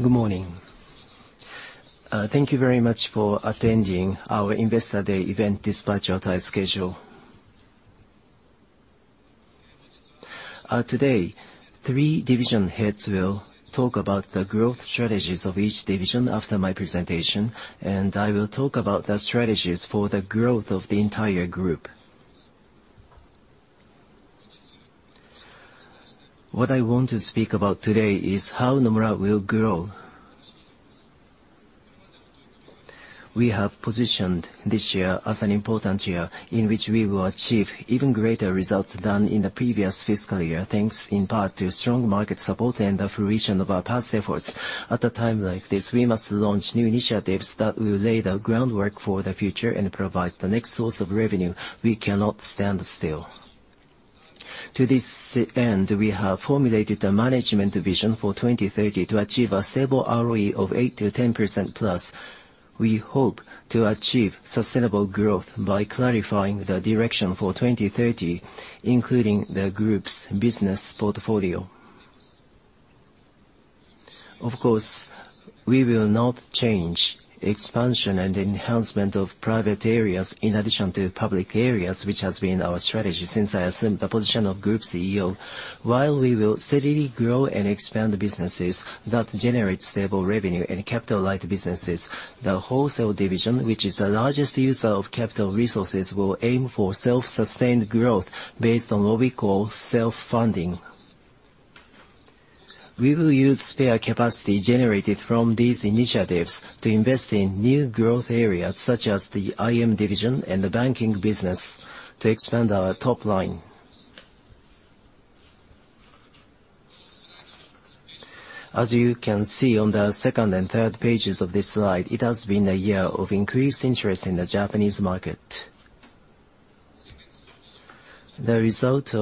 Good morning. Thank you very much for attending our Investor Day event dispite tight schedule. Today, three division heads will talk about the growth strategies of each division after my presentation, and I will talk about the strategies for the growth of the entire group. What I want to speak about today is how Nomura will grow. We have positioned this year as an important year in which we will achieve even greater results than in the previous fiscal year, thanks in part to strong market support and the fruition of our past efforts. At a time like this, we must launch new initiatives that will lay the groundwork for the future and provide the next source of revenue. We cannot stand still. To this end, we have formulated a management vision for 2030 to achieve a stable ROE of 8%-10% plus. We hope to achieve sustainable growth by clarifying the direction for 2030, including the group's business portfolio. Of course, we will not change expansion and enhancement of private areas in addition to public areas, which has been our strategy since I assumed the position of Group CEO. While we will steadily grow and expand businesses that generate stable revenue and capital-light businesses, the Wholesale Division, which is the largest user of capital resources, will aim for self-sustained growth based on what we call self-funding. We will use spare capacity generated from these initiatives to invest in new growth areas such as the IM Division and the banking business to expand our top line. As you can see on the second and third pages of this slide, it has been a year of increased interest in the Japanese market. The result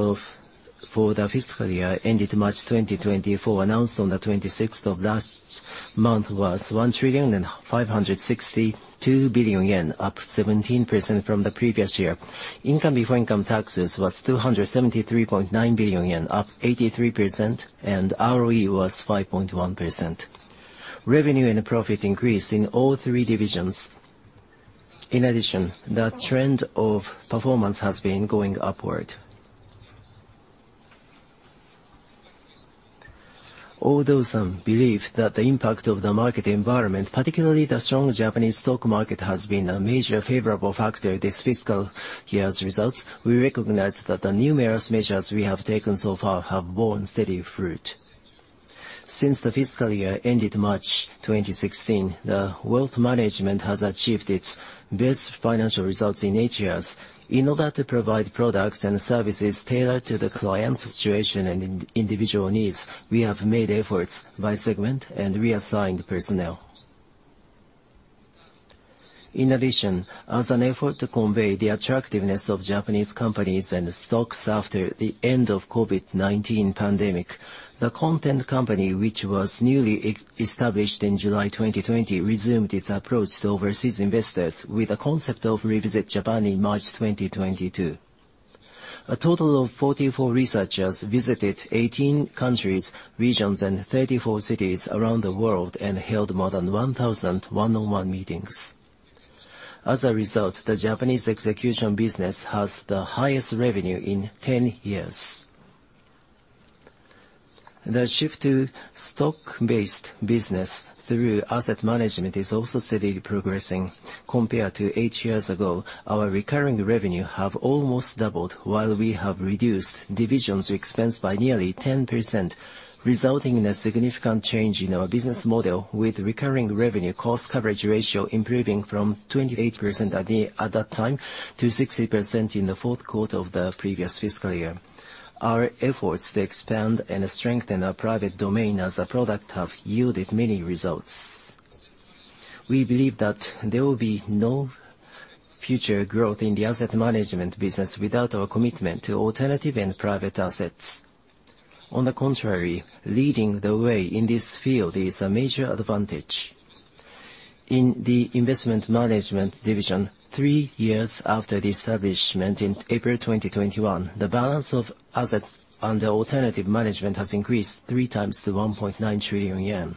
for the fiscal year ended March 2024, announced on the 26th of last month, was 1,562 billion yen, up 17% from the previous year. Income before income taxes was 273.9 billion yen, up 83%, and ROE was 5.1%. Revenue and profit increased in all three divisions. In addition, the trend of performance has been going upward. Although some believe that the impact of the market environment, particularly the strong Japanese stock market, has been a major favorable factor this fiscal year's results, we recognize that the numerous measures we have taken so far have borne steady fruit. Since the fiscal year ended March 2016, the Wealth Management has achieved its best financial results in eight years in order to provide products and services tailored to the client's situation and individual needs. We have made efforts by segment and reassigned personnel. In addition, as an effort to convey the attractiveness of Japanese companies and stocks after the end of the COVID-19 pandemic, the Content Company, which was newly established in July 2020, resumed its approach to overseas investors with the concept of Revisit Japan in March 2022. A total of 44 researchers visited 18 countries, regions, and 34 cities around the world and held more than 1,000 one-on-one meetings. As a result, the Japanese execution business has the highest revenue in 10 years. The shift to stock-based business through asset management is also steadily progressing compared to 8 years ago. Our recurring revenue has almost doubled, while we have reduced divisions' expense by nearly 10%, resulting in a significant change in our business model, with recurring revenue cost coverage ratio improving from 28% at that time to 60% in the fourth quarter of the previous fiscal year. Our efforts to expand and strengthen our private domain as a product have yielded many results. We believe that there will be no future growth in the asset management business without our commitment to alternative and private assets. On the contrary, leading the way in this field is a major advantage. In the Investment Management Division, three years after the establishment in April 2021, the balance of assets under alternative management has increased three times to 1.9 trillion yen.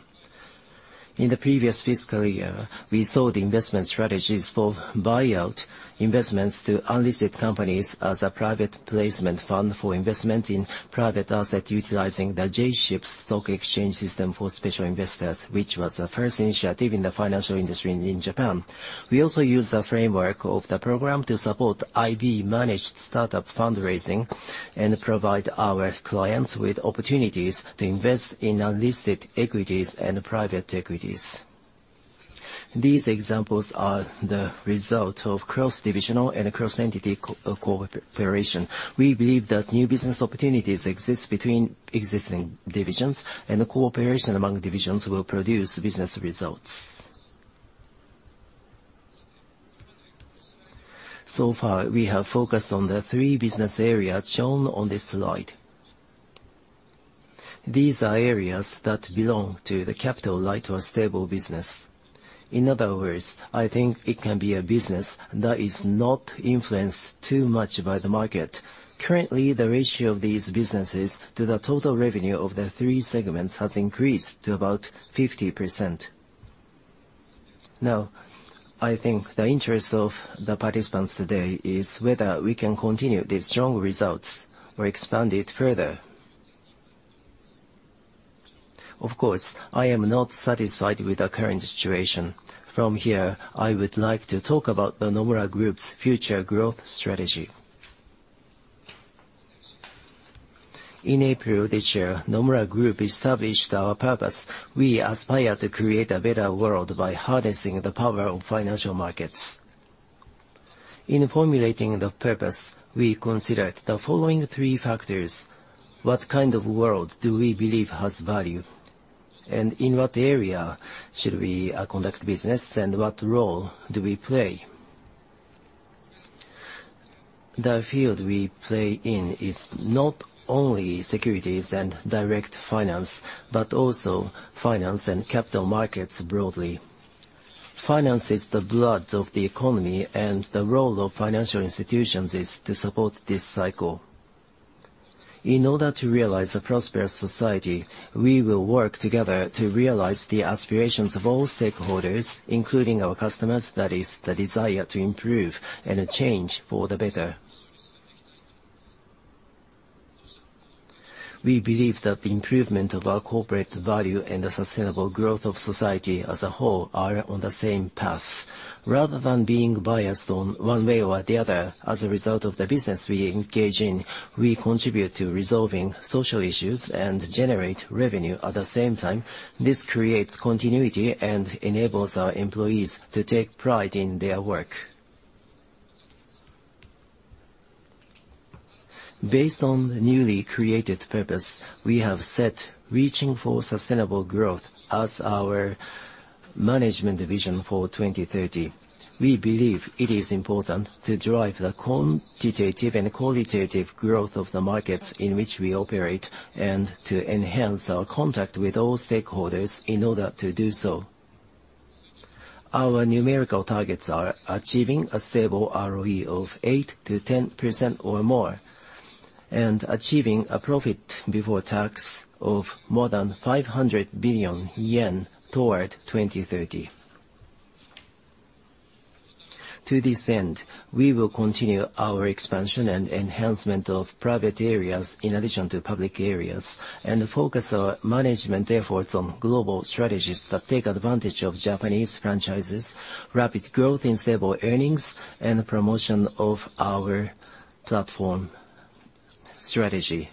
In the previous fiscal year, we saw the investment strategies for buyout investments to unlisted companies as a private placement fund for investment in private assets, utilizing the J-Ships stock exchange system for special investors, which was the first initiative in the financial industry in Japan. We also use the framework of the program to support IB-managed startup fundraising and provide our clients with opportunities to invest in unlisted Equities and private Equities. These examples are the result of cross-divisional and cross-entity cooperation. We believe that new business opportunities exist between existing divisions, and cooperation among divisions will produce business results. So far, we have focused on the three business areas shown on this slide. These are areas that belong to the capital-light or stable business. In other words, I think it can be a business that is not influenced too much by the market. Currently, the ratio of these businesses to the total revenue of the three segments has increased to about 50%. Now, I think the interest of the participants today is whether we can continue these strong results or expand it further. Of course, I am not satisfied with the current situation. From here, I would like to talk about the Nomura Group's future growth strategy. In April this year, Nomura Group established our purpose. We aspire to create a better world by harnessing the power of financial markets. In formulating the purpose, we considered the following three factors: What kind of world do we believe has value, and in what area should we conduct business, and what role do we play? The field we play in is not only securities and direct finance, but also finance and capital markets broadly. Finance is the blood of the economy, and the role of financial institutions is to support this cycle. In order to realize a prosperous society, we will work together to realize the aspirations of all stakeholders, including our customers, that is, the desire to improve and change for the better. We believe that the improvement of our corporate value and the sustainable growth of society as a whole are on the same path. Rather than being biased on one way or the other, as a result of the business we engage in, we contribute to resolving social issues and generate revenue at the same time. This creates continuity and enables our employees to take pride in their work. Based on the newly created purpose, we have set reaching for sustainable growth as our management vision for 2030. We believe it is important to drive the quantitative and qualitative growth of the markets in which we operate and to enhance our contact with all stakeholders in order to do so. Our numerical targets are achieving a stable ROE of 8%-10% or more, and achieving a profit before tax of more than 500 billion yen toward 2030. To this end, we will continue our expansion and enhancement of private areas in addition to public areas, and focus our management efforts on global strategies that take advantage of Japanese franchises, rapid growth in stable earnings, and promotion of our platform strategy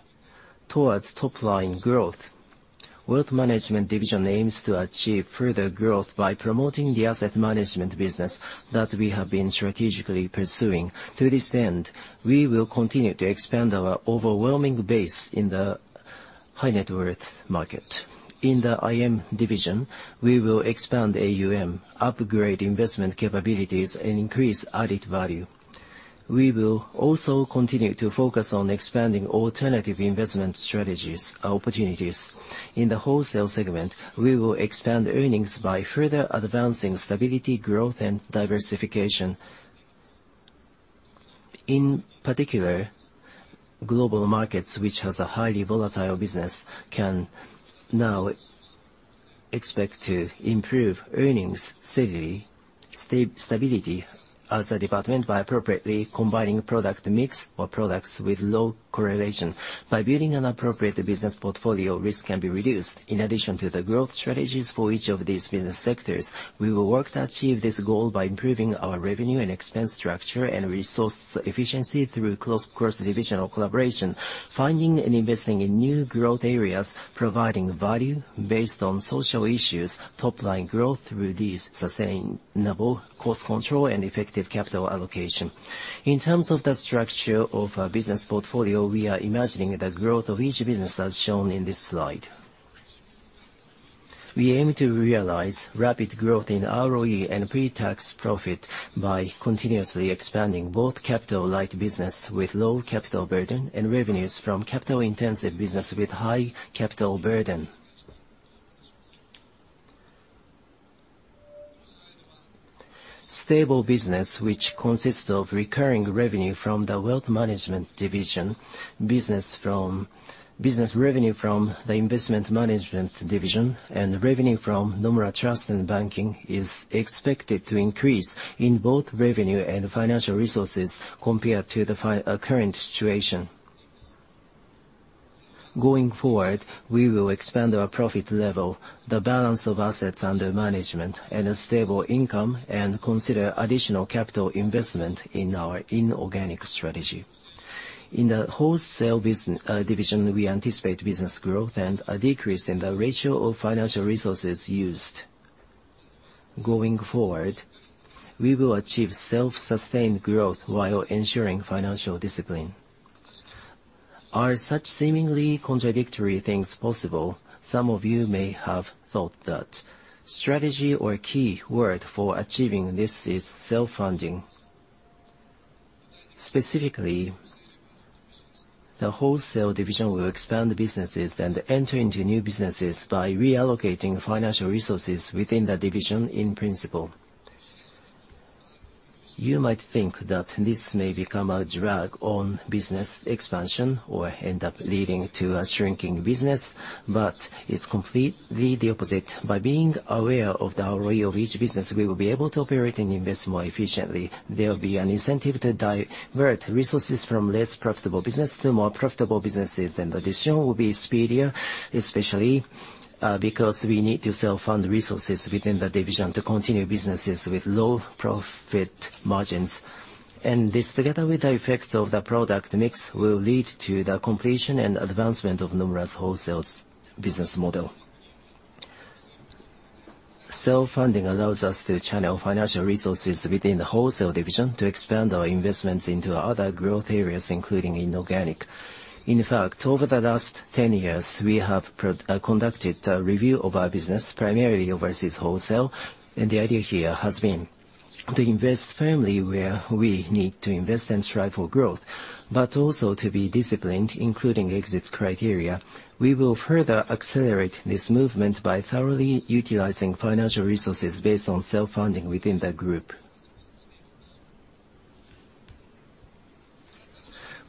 towards top-line growth. Wealth Management Division aims to achieve further growth by promoting the asset management business that we have been strategically pursuing. To this end, we will continue to expand our overwhelming base in the high net worth market. In the IM Division, we will expand AUM, upgrade investment capabilities, and increase added value. We will also continue to focus on expanding alternative investment strategies and opportunities in the wholesale segment. We will expand earnings by further advancing stability, growth, and diversification. In particular, Global Markets, which have a highly volatile business, can now expect to improve earnings steadily. Stability as a department by appropriately combining product mix or products with low correlation. By building an appropriate business portfolio, risk can be reduced. In addition to the growth strategies for each of these business sectors, we will work to achieve this goal by improving our revenue and expense structure and resource efficiency through cross-divisional collaboration, finding and investing in new growth areas, providing value based on social issues, top-line growth through these sustainable cost control, and effective capital allocation. In terms of the structure of our business portfolio, we are imagining the growth of each business as shown in this slide. We aim to realize rapid growth in ROE and pretax profit by continuously expanding both capital-light business with low capital burden and revenues from capital-intensive business with high capital burden. Stable business, which consists of recurring revenue from the Wealth Management Division, business revenue from the investment management division, and revenue from Nomura Trust and Banking, is expected to increase in both revenue and financial resources compared to the current situation. Going forward, we will expand our profit level, the balance of assets under management, and stable income, and consider additional capital investment in our inorganic strategy. In the Wholesale Division, we anticipate business growth and a decrease in the ratio of financial resources used. Going forward, we will achieve self-sustained growth while ensuring financial discipline. Are such seemingly contradictory things possible? Some of you may have thought that strategy or key word for achieving this is self-funding. Specifically, the Wholesale Division will expand businesses and enter into new businesses by reallocating financial resources within the division in principle. You might think that this may become a drag on business expansion or end up leading to a shrinking business, but it's completely the opposite. By being aware of the ROE of each business, we will be able to operate and invest more efficiently. There will be an incentive to divert resources from less profitable businesses to more profitable businesses, and the decision will be speedier, especially because we need to self-fund resources within the division to continue businesses with low profit margins. This, together with the effects of the product mix, will lead to the completion and advancement of Nomura's wholesale business model. Self-funding allows us to channel financial resources within the Wholesale Division to expand our investments into other growth areas, including inorganic. In fact, over the last 10 years, we have conducted a review of our business primarily overseas wholesale. The idea here has been to invest firmly where we need to invest and strive for growth, but also to be disciplined, including exit criteria. We will further accelerate this movement by thoroughly utilizing financial resources based on self-funding within the group.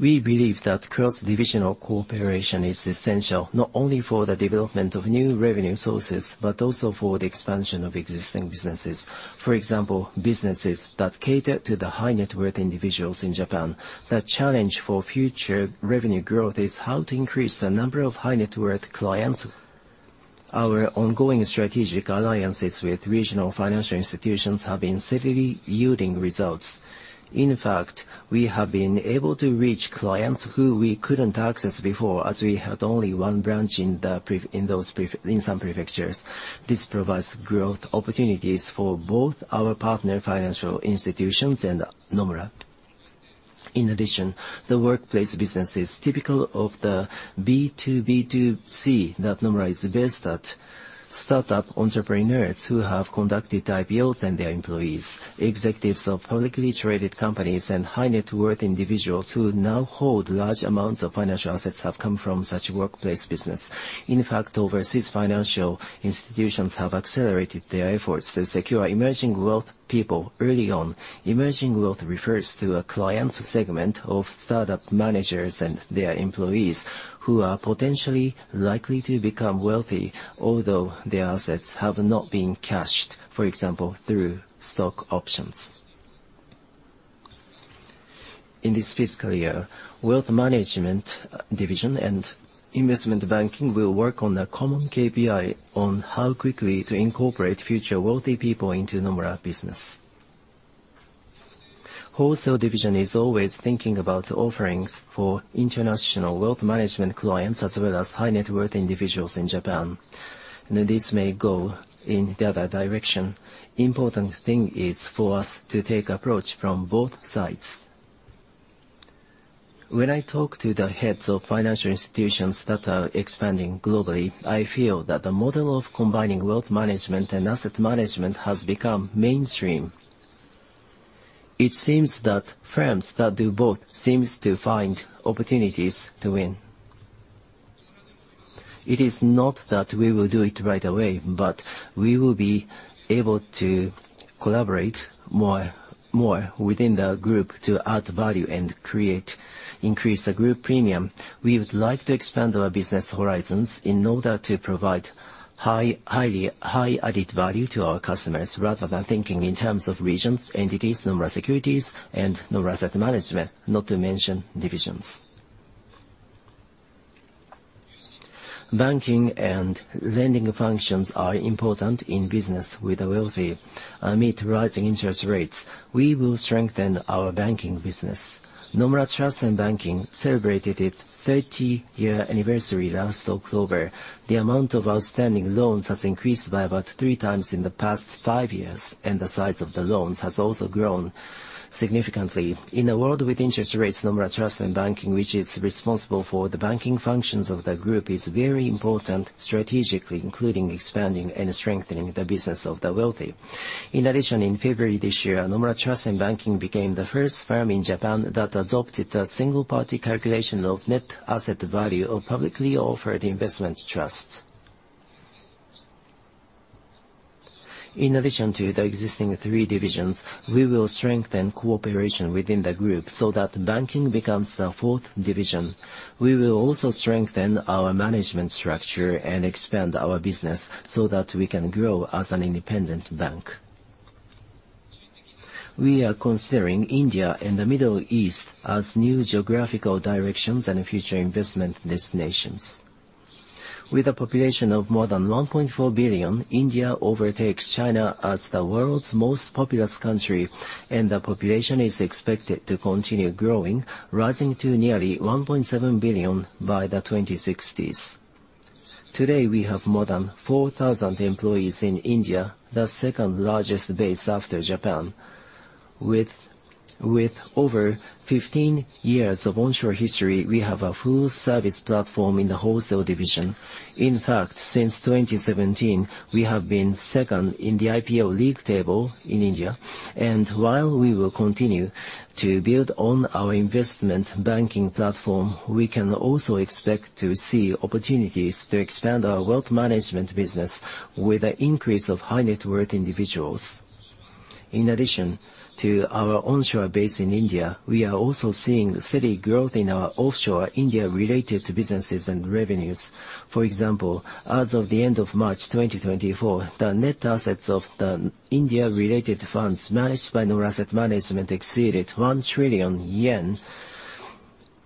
We believe that cross-divisional cooperation is essential not only for the development of new revenue sources, but also for the expansion of existing businesses. For example, businesses that cater to the high-net-worth individuals in Japan. The challenge for future revenue growth is how to increase the number of high-net-worth clients. Our ongoing strategic alliances with regional financial institutions have been steadily yielding results. In fact, we have been able to reach clients who we couldn't access before as we had only one branch in those, in some prefectures. This provides growth opportunities for both our partner financial institutions and Nomura. In addition, the workplace business is typical of the B2B2C that Nomura is based at: startup entrepreneurs who have conducted IPOs and their employees, executives of publicly traded companies, and high net worth individuals who now hold large amounts of financial assets have come from such workplace business. In fact, overseas financial institutions have accelerated their efforts to secure emerging wealth people early on. Emerging wealth refers to a clients segment of startup managers and their employees who are potentially likely to become wealthy, although their assets have not been cashed, for example, through stock options. In this fiscal year, Wealth Management Division and Investment Banking will work on a common KPI on how quickly to incorporate future wealthy people into Nomura business. Wholesale Division is always thinking about offerings for International Wealth Management clients as well as high net worth individuals in Japan. This may go in the other direction. The important thing is for us to take an approach from both sides. When I talk to the heads of financial institutions that are expanding globally, I feel that the model of combining wealth management and asset management has become mainstream. It seems that firms that do both seem to find opportunities to win. It is not that we will do it right away, but we will be able to collaborate more and more within the group to add value and increase the group premium. We would like to expand our business horizons in order to provide high, highly high added value to our customers rather than thinking in terms of regions, entities, Nomura Securities, and Nomura Asset Management, not to mention divisions. Banking and lending functions are important in business with a wealthy amid rising interest rates. We will strengthen our banking business. Nomura Trust and Banking celebrated its 30-year anniversary last October. The amount of outstanding loans has increased by about three times in the past five years, and the size of the loans has also grown significantly. In a world with interest rates, Nomura Trust and Banking, which is responsible for the banking functions of the group, is very important strategically, including expanding and strengthening the business of the wealthy. In addition, in February this year, Nomura Trust and Banking became the first firm in Japan that adopted a single-party calculation of net asset value of publicly offered investment trusts. In addition to the existing three divisions, we will strengthen cooperation within the group so that banking becomes the fourth division. We will also strengthen our management structure and expand our business so that we can grow as an independent bank. We are considering India and the Middle East as new geographical directions and future investment destinations. With a population of more than 1.4 billion, India overtakes China as the world's most populous country, and the population is expected to continue growing, rising to nearly 1.7 billion by the 2060s. Today, we have more than 4,000 employees in India, the second largest base after Japan. With over 15 years of onshore history, we have a full-service platform in the Wholesale Division. In fact, since 2017, we have been second in the IPO league table in India. While we will continue to build on our Investment Banking platform, we can also expect to see opportunities to expand our wealth management business with an increase of high net worth individuals. In addition to our onshore base in India, we are also seeing steady growth in our offshore India-related businesses and revenues. For example, as of the end of March 2024, the net assets of the India-related funds managed by Nomura Asset Management exceeded 1 trillion yen,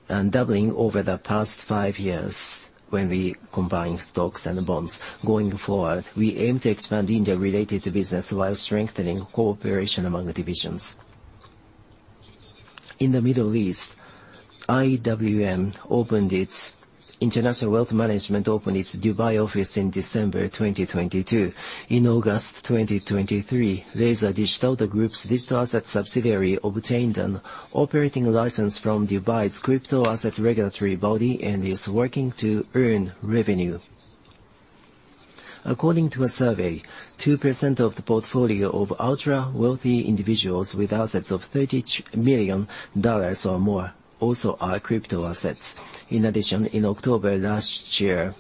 doubling over the past five years when we combined stocks and bonds. Going forward, we aim to expand India-related business while strengthening cooperation among divisions. In the Middle East, IWM opened its international wealth management, opened its Dubai office in December 2022. In August 2023, Laser Digital, the group's digital asset subsidiary, obtained an operating license from Dubai's crypto asset regulatory body and is working to earn revenue. According to a survey, 2% of the portfolio of ultra-wealthy individuals with assets of $30 million or more also are crypto assets. In addition, in October last year,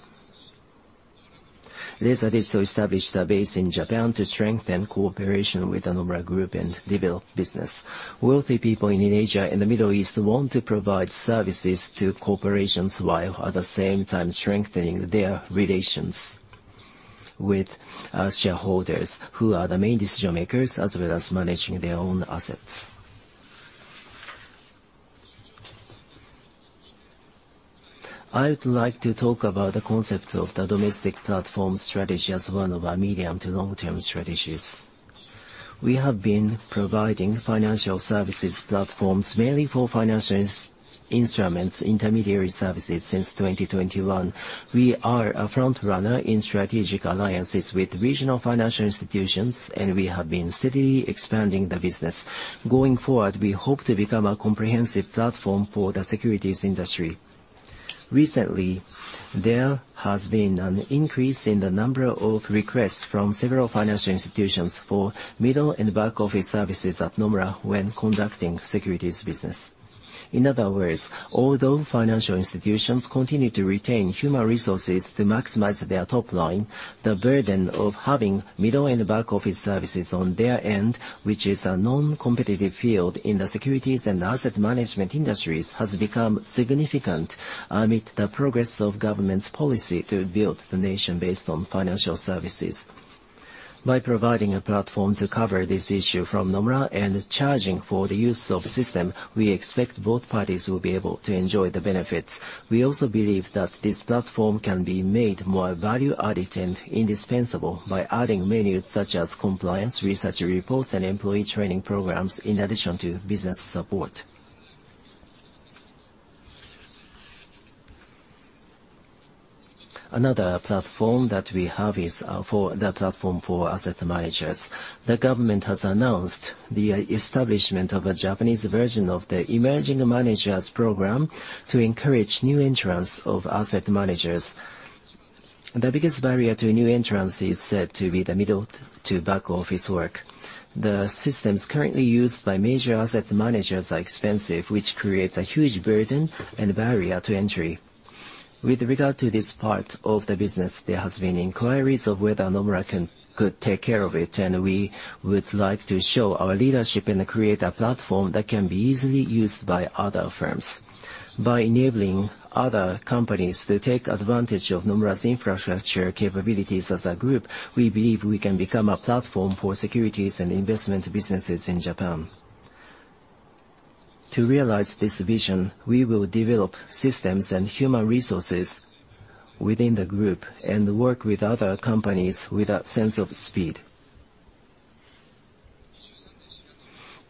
Laser Digital established a base in Japan to strengthen cooperation with the Nomura Group and develop business. Wealthy people in Asia and the Middle East want to provide services to corporations while at the same time strengthening their relations with shareholders who are the main decision makers as well as managing their own assets. I would like to talk about the concept of the domestic platform strategy as one of our medium to long-term strategies. We have been providing financial services platforms mainly for financial instruments, intermediary services since 2021. We are a frontrunner in strategic alliances with regional financial institutions, and we have been steadily expanding the business. Going forward, we hope to become a comprehensive platform for the securities industry. Recently, there has been an increase in the number of requests from several financial institutions for middle and back-office services at Nomura when conducting securities business. In other words, although financial institutions continue to retain human resources to maximize their top line, the burden of having middle and back-office services on their end, which is a non-competitive field in the securities and asset management industries, has become significant amid the progress of government's policy to build the nation based on financial services. By providing a platform to cover this issue from Nomura and charging for the use of the system, we expect both parties will be able to enjoy the benefits. We also believe that this platform can be made more value-added and indispensable by adding menus such as compliance, research reports, and employee training programs, in addition to business support. Another platform that we have is for the platform for asset managers. The government has announced the establishment of a Japanese version of the Emerging Managers Program to encourage new entrants of asset managers. The biggest barrier to new entrants is said to be the middle to back-office work. The systems currently used by major asset managers are expensive, which creates a huge burden and barrier to entry. With regard to this part of the business, there have been inquiries of whether Nomura could take care of it, and we would like to show our leadership and create a platform that can be easily used by other firms. By enabling other companies to take advantage of Nomura's infrastructure capabilities as a group, we believe we can become a platform for securities and investment businesses in Japan. To realize this vision, we will develop systems and human resources within the group and work with other companies with a sense of speed.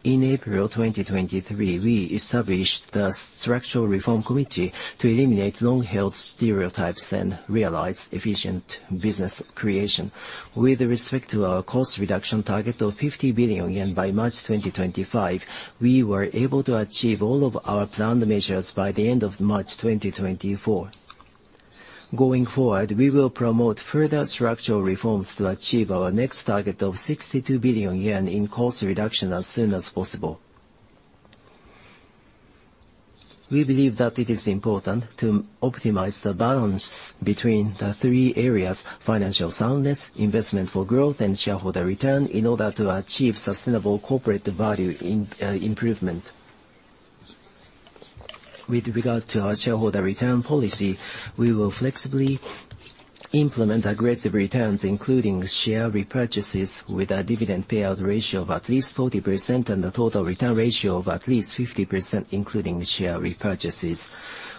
In April 2023, we established the Structural Reform Committee to eliminate long-held stereotypes and realize efficient business creation. With respect to our cost reduction target of 50 billion yen, by March 2025, we were able to achieve all of our planned measures by the end of March 2024. Going forward, we will promote further structural reforms to achieve our next target of 62 billion yen in cost reduction as soon as possible. We believe that it is important to optimize the balance between the three areas: financial soundness, investment for growth, and shareholder return in order to achieve sustainable corporate value improvement. With regard to our shareholder return policy, we will flexibly implement aggressive returns, including share repurchases with a dividend payout ratio of at least 40% and a total return ratio of at least 50%, including share repurchases.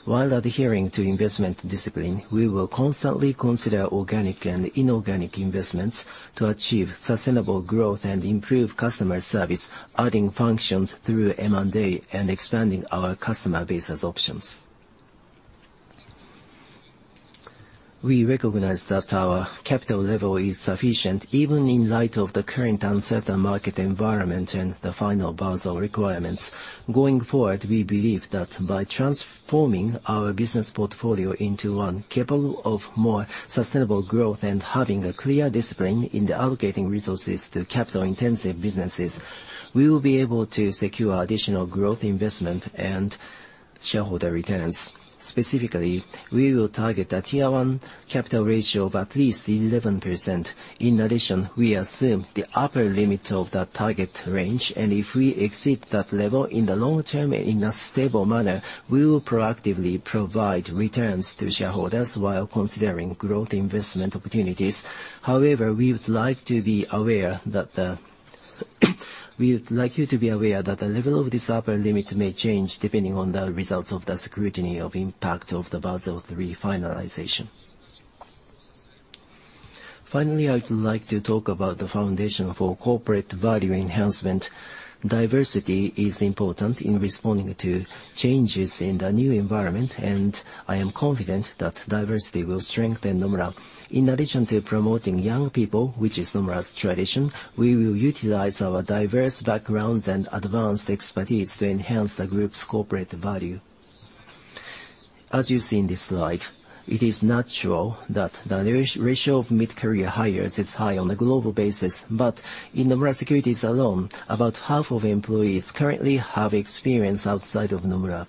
While adhering to investment discipline, we will constantly consider organic and inorganic investments to achieve sustainable growth and improve customer service, adding functions through M&A and expanding our customer bases options. We recognize that our capital level is sufficient, even in light of the current uncertain market environment and the final Basel requirements. Going forward, we believe that by transforming our business portfolio into one capable of more sustainable growth and having a clear discipline in allocating resources to capital-intensive businesses, we will be able to secure additional growth investment and shareholder returns. Specifically, we will target a Tier 1 Capital Ratio of at least 11%. In addition, we assume the upper limit of that target range, and if we exceed that level in the long term and in a stable manner, we will proactively provide returns to shareholders while considering growth investment opportunities. However, we would like to be aware that we would like you to be aware that the level of this upper limit may change depending on the results of the scrutiny of impact of the Basel III finalization. Finally, I would like to talk about the foundation for corporate value enhancement. Diversity is important in responding to changes in the new environment, and I am confident that diversity will strengthen Nomura. In addition to promoting young people, which is Nomura's tradition, we will utilize our diverse backgrounds and advanced expertise to enhance the group's corporate value. As you see in this slide, it is natural that the ratio of mid-career hires is high on a global basis. But in Nomura Securities alone, about half of employees currently have experience outside of Nomura.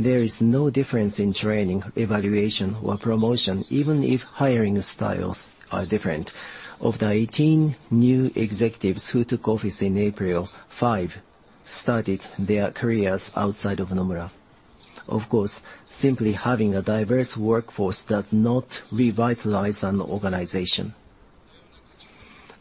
There is no difference in training, evaluation, or promotion, even if hiring styles are different. Of the 18 new executives who took office in April, 5 started their careers outside of Nomura. Of course, simply having a diverse workforce does not revitalize an organization.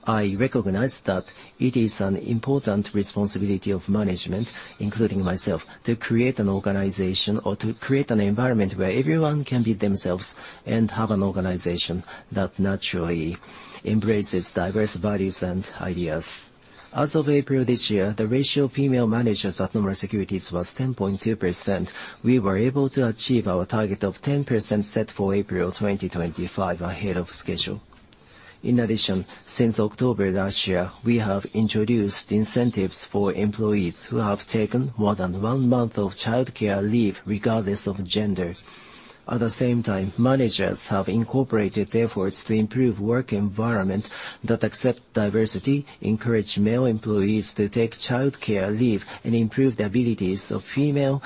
I recognize that it is an important responsibility of management, including myself, to create an organization or to create an environment where everyone can be themselves and have an organization that naturally embraces diverse values and ideas. As of April this year, the ratio of female managers at Nomura Securities was 10.2%. We were able to achieve our target of 10% set for April 2025 ahead of schedule. In addition, since October last year, we have introduced incentives for employees who have taken more than one month of childcare leave regardless of gender. At the same time, managers have incorporated efforts to improve the work environment that accepts diversity, encourage male employees to take childcare leave, and improve the abilities of female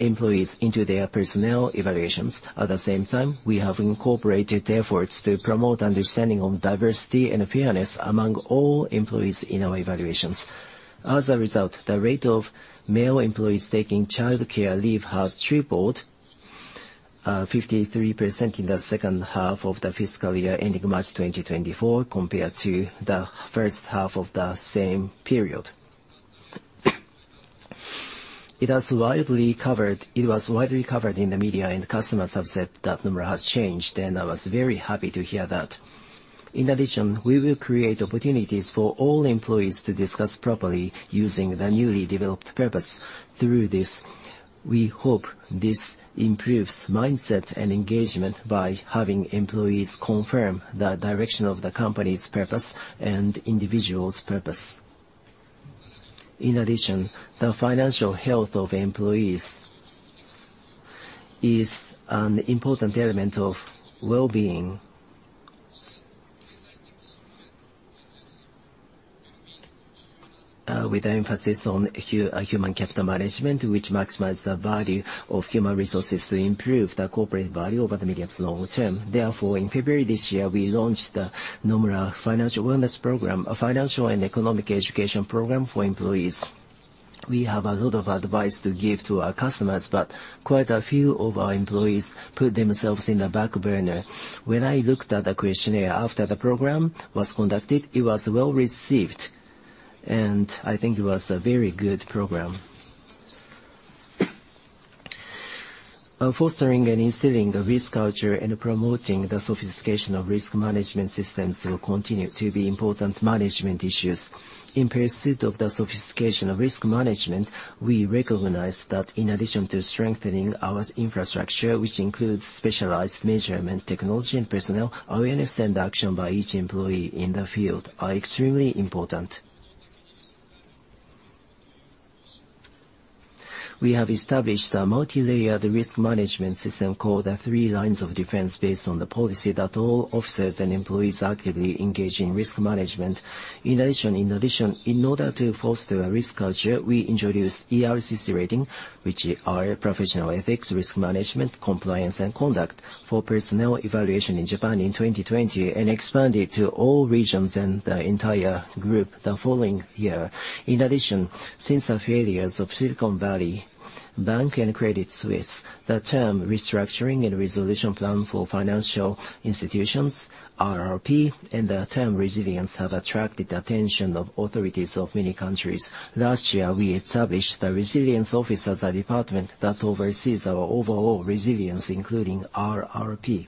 employees into their personnel evaluations. At the same time, we have incorporated efforts to promote understanding of diversity and fairness among all employees in our evaluations. As a result, the rate of male employees taking childcare leave has tripled, 53% in the second half of the fiscal year ending March 2024, compared to the first half of the same period. It was widely covered in the media, and customers have said that Nomura has changed, and I was very happy to hear that. In addition, we will create opportunities for all employees to discuss properly using the newly developed purpose. Through this, we hope this improves mindset and engagement by having employees confirm the direction of the company's purpose and individual's purpose. In addition, the financial health of employees is an important element of well-being, with emphasis on human capital management, which maximizes the value of human resources to improve the corporate value over the medium to long term. Therefore, in February this year, we launched the Nomura Financial Wellness Program, a financial and economic education program for employees. We have a lot of advice to give to our customers, but quite a few of our employees put themselves in the back burner. When I looked at the questionnaire after the program was conducted, it was well received, and I think it was a very good program. Fostering and instilling a risk culture and promoting the sophistication of risk management systems will continue to be important management issues. In pursuit of the sophistication of risk management, we recognize that in addition to strengthening our infrastructure, which includes specialized measurement technology and personnel awareness and action by each employee in the field, are extremely important. We have established a multi-layered risk management system called Three Lines of Defense based on the policy that all officers and employees actively engage in risk management. In addition, in addition, in order to foster a risk culture, we introduced ERCC rating, which is our professional ethics, risk management, compliance, and conduct for personnel evaluation in Japan in 2020, and expanded to all regions and the entire group the following year. In addition, since the failures of Silicon Valley Bank and Credit Suisse, the term Recovery and Resolution Plan for Financial Institutions, RRP, and the term Resilience have attracted the attention of authorities of many countries. Last year, we established the Resilience Office as a department that oversees our overall resilience, including RRP.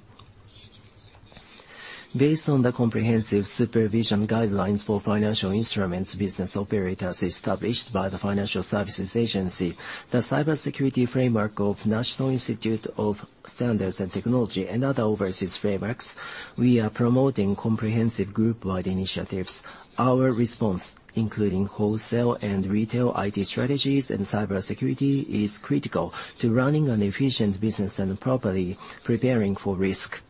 Based on the comprehensive supervision guidelines for financial instruments business operators established by the Financial Services Agency, the cybersecurity framework of the National Institute of Standards and Technology, and other overseas frameworks, we are promoting comprehensive group-wide initiatives. Our response, including wholesale and retail IT strategies and cybersecurity, is critical to running an efficient business and properly preparing for risk.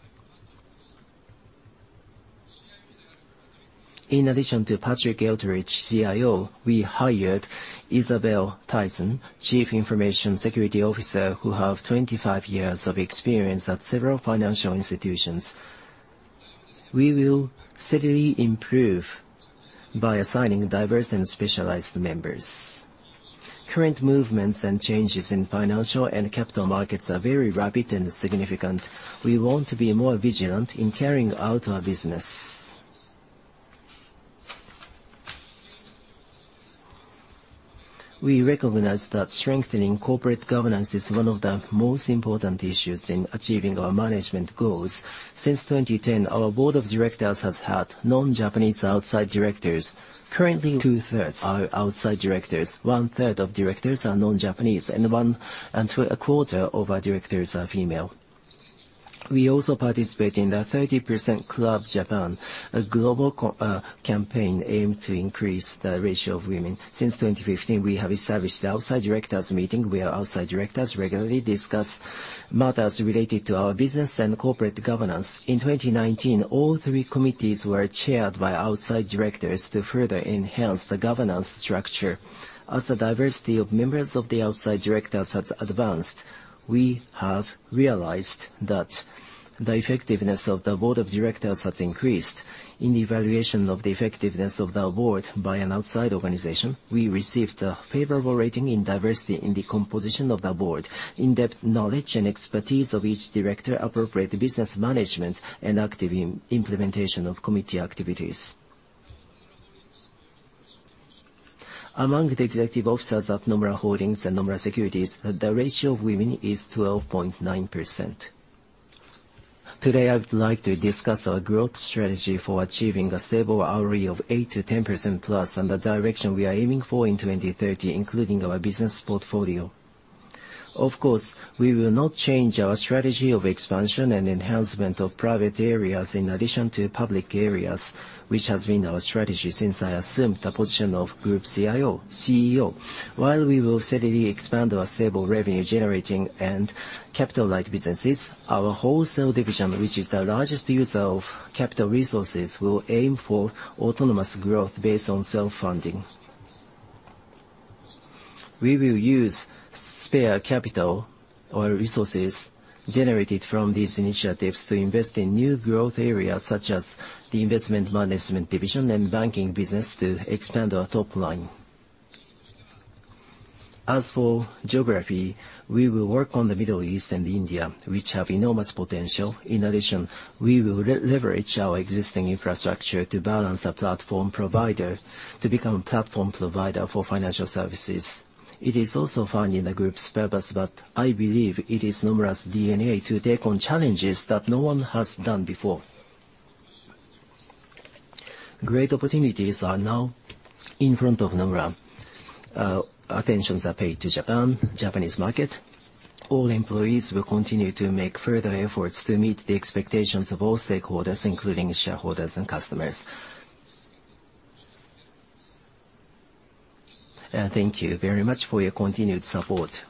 In addition to Patrick Eldridge, CIO, we hired Isobel Tyson, Chief Information Security Officer, who has 25 years of experience at several financial institutions. We will steadily improve by assigning diverse and specialized members. Current movements and changes in financial and capital markets are very rapid and significant. We want to be more vigilant in carrying out our business. We recognize that strengthening corporate governance is one of the most important issues in achieving our management goals. Since 2010, our board of directors has had non-Japanese outside directors. Currently, two-thirds are outside directors, one-third of directors are non-Japanese, and one and a quarter of our directors are female. We also participate in the 30% Club Japan, a global campaign aimed to increase the ratio of women. Since 2015, we have established the outside directors meeting where outside directors regularly discuss matters related to our business and corporate governance. In 2019, all three committees were chaired by outside directors to further enhance the governance structure. As the diversity of members of the outside directors has advanced, we have realized that the effectiveness of the board of directors has increased. In the evaluation of the effectiveness of the board by an outside organization, we received a favorable rating in diversity in the composition of the board, in-depth knowledge and expertise of each director, appropriate business management, and active implementation of committee activities. Among the executive officers at Nomura Holdings and Nomura Securities, the ratio of women is 12.9%. Today, I would like to discuss our growth strategy for achieving a stable ROE of 8%-10%+ and the direction we are aiming for in 2030, including our business portfolio. Of course, we will not change our strategy of expansion and enhancement of private areas in addition to public areas, which has been our strategy since I assumed the position of Group CIO, CEO. While we will steadily expand our stable revenue-generating and capital-light businesses, our Wholesale Division, which is the largest user of capital resources, will aim for autonomous growth based on self-funding. We will use spare capital or resources generated from these initiatives to invest in new growth areas such as the Investment Management Division and banking business to expand our top line. As for geography, we will work on the Middle East and India, which have enormous potential. In addition, we will leverage our existing infrastructure to balance a platform provider to become a platform provider for financial services. It is also fundamental in the group's purpose, but I believe it is Nomura's DNA to take on challenges that no one has done before. Great opportunities are now in front of Nomura. Attentions are paid to Japan, Japanese market. All employees will continue to make further efforts to meet the expectations of all stakeholders, including shareholders and customers. Thank you very much for your continued support,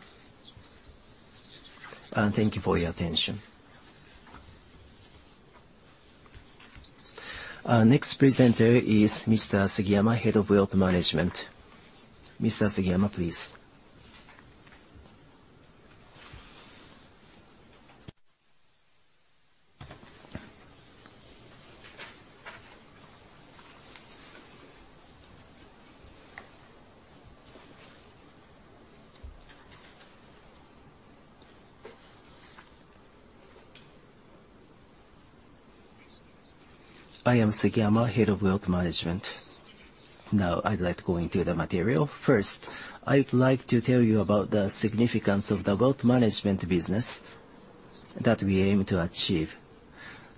and thank you for your attention. Next presenter is Mr. Sugiyama, Head of Wealth Management. Mr. Sugiyama, please. I am Sugiyama, Head of Wealth Management. Now, I'd like to go into the material. First, I would like to tell you about the significance of the wealth management business that we aim to achieve.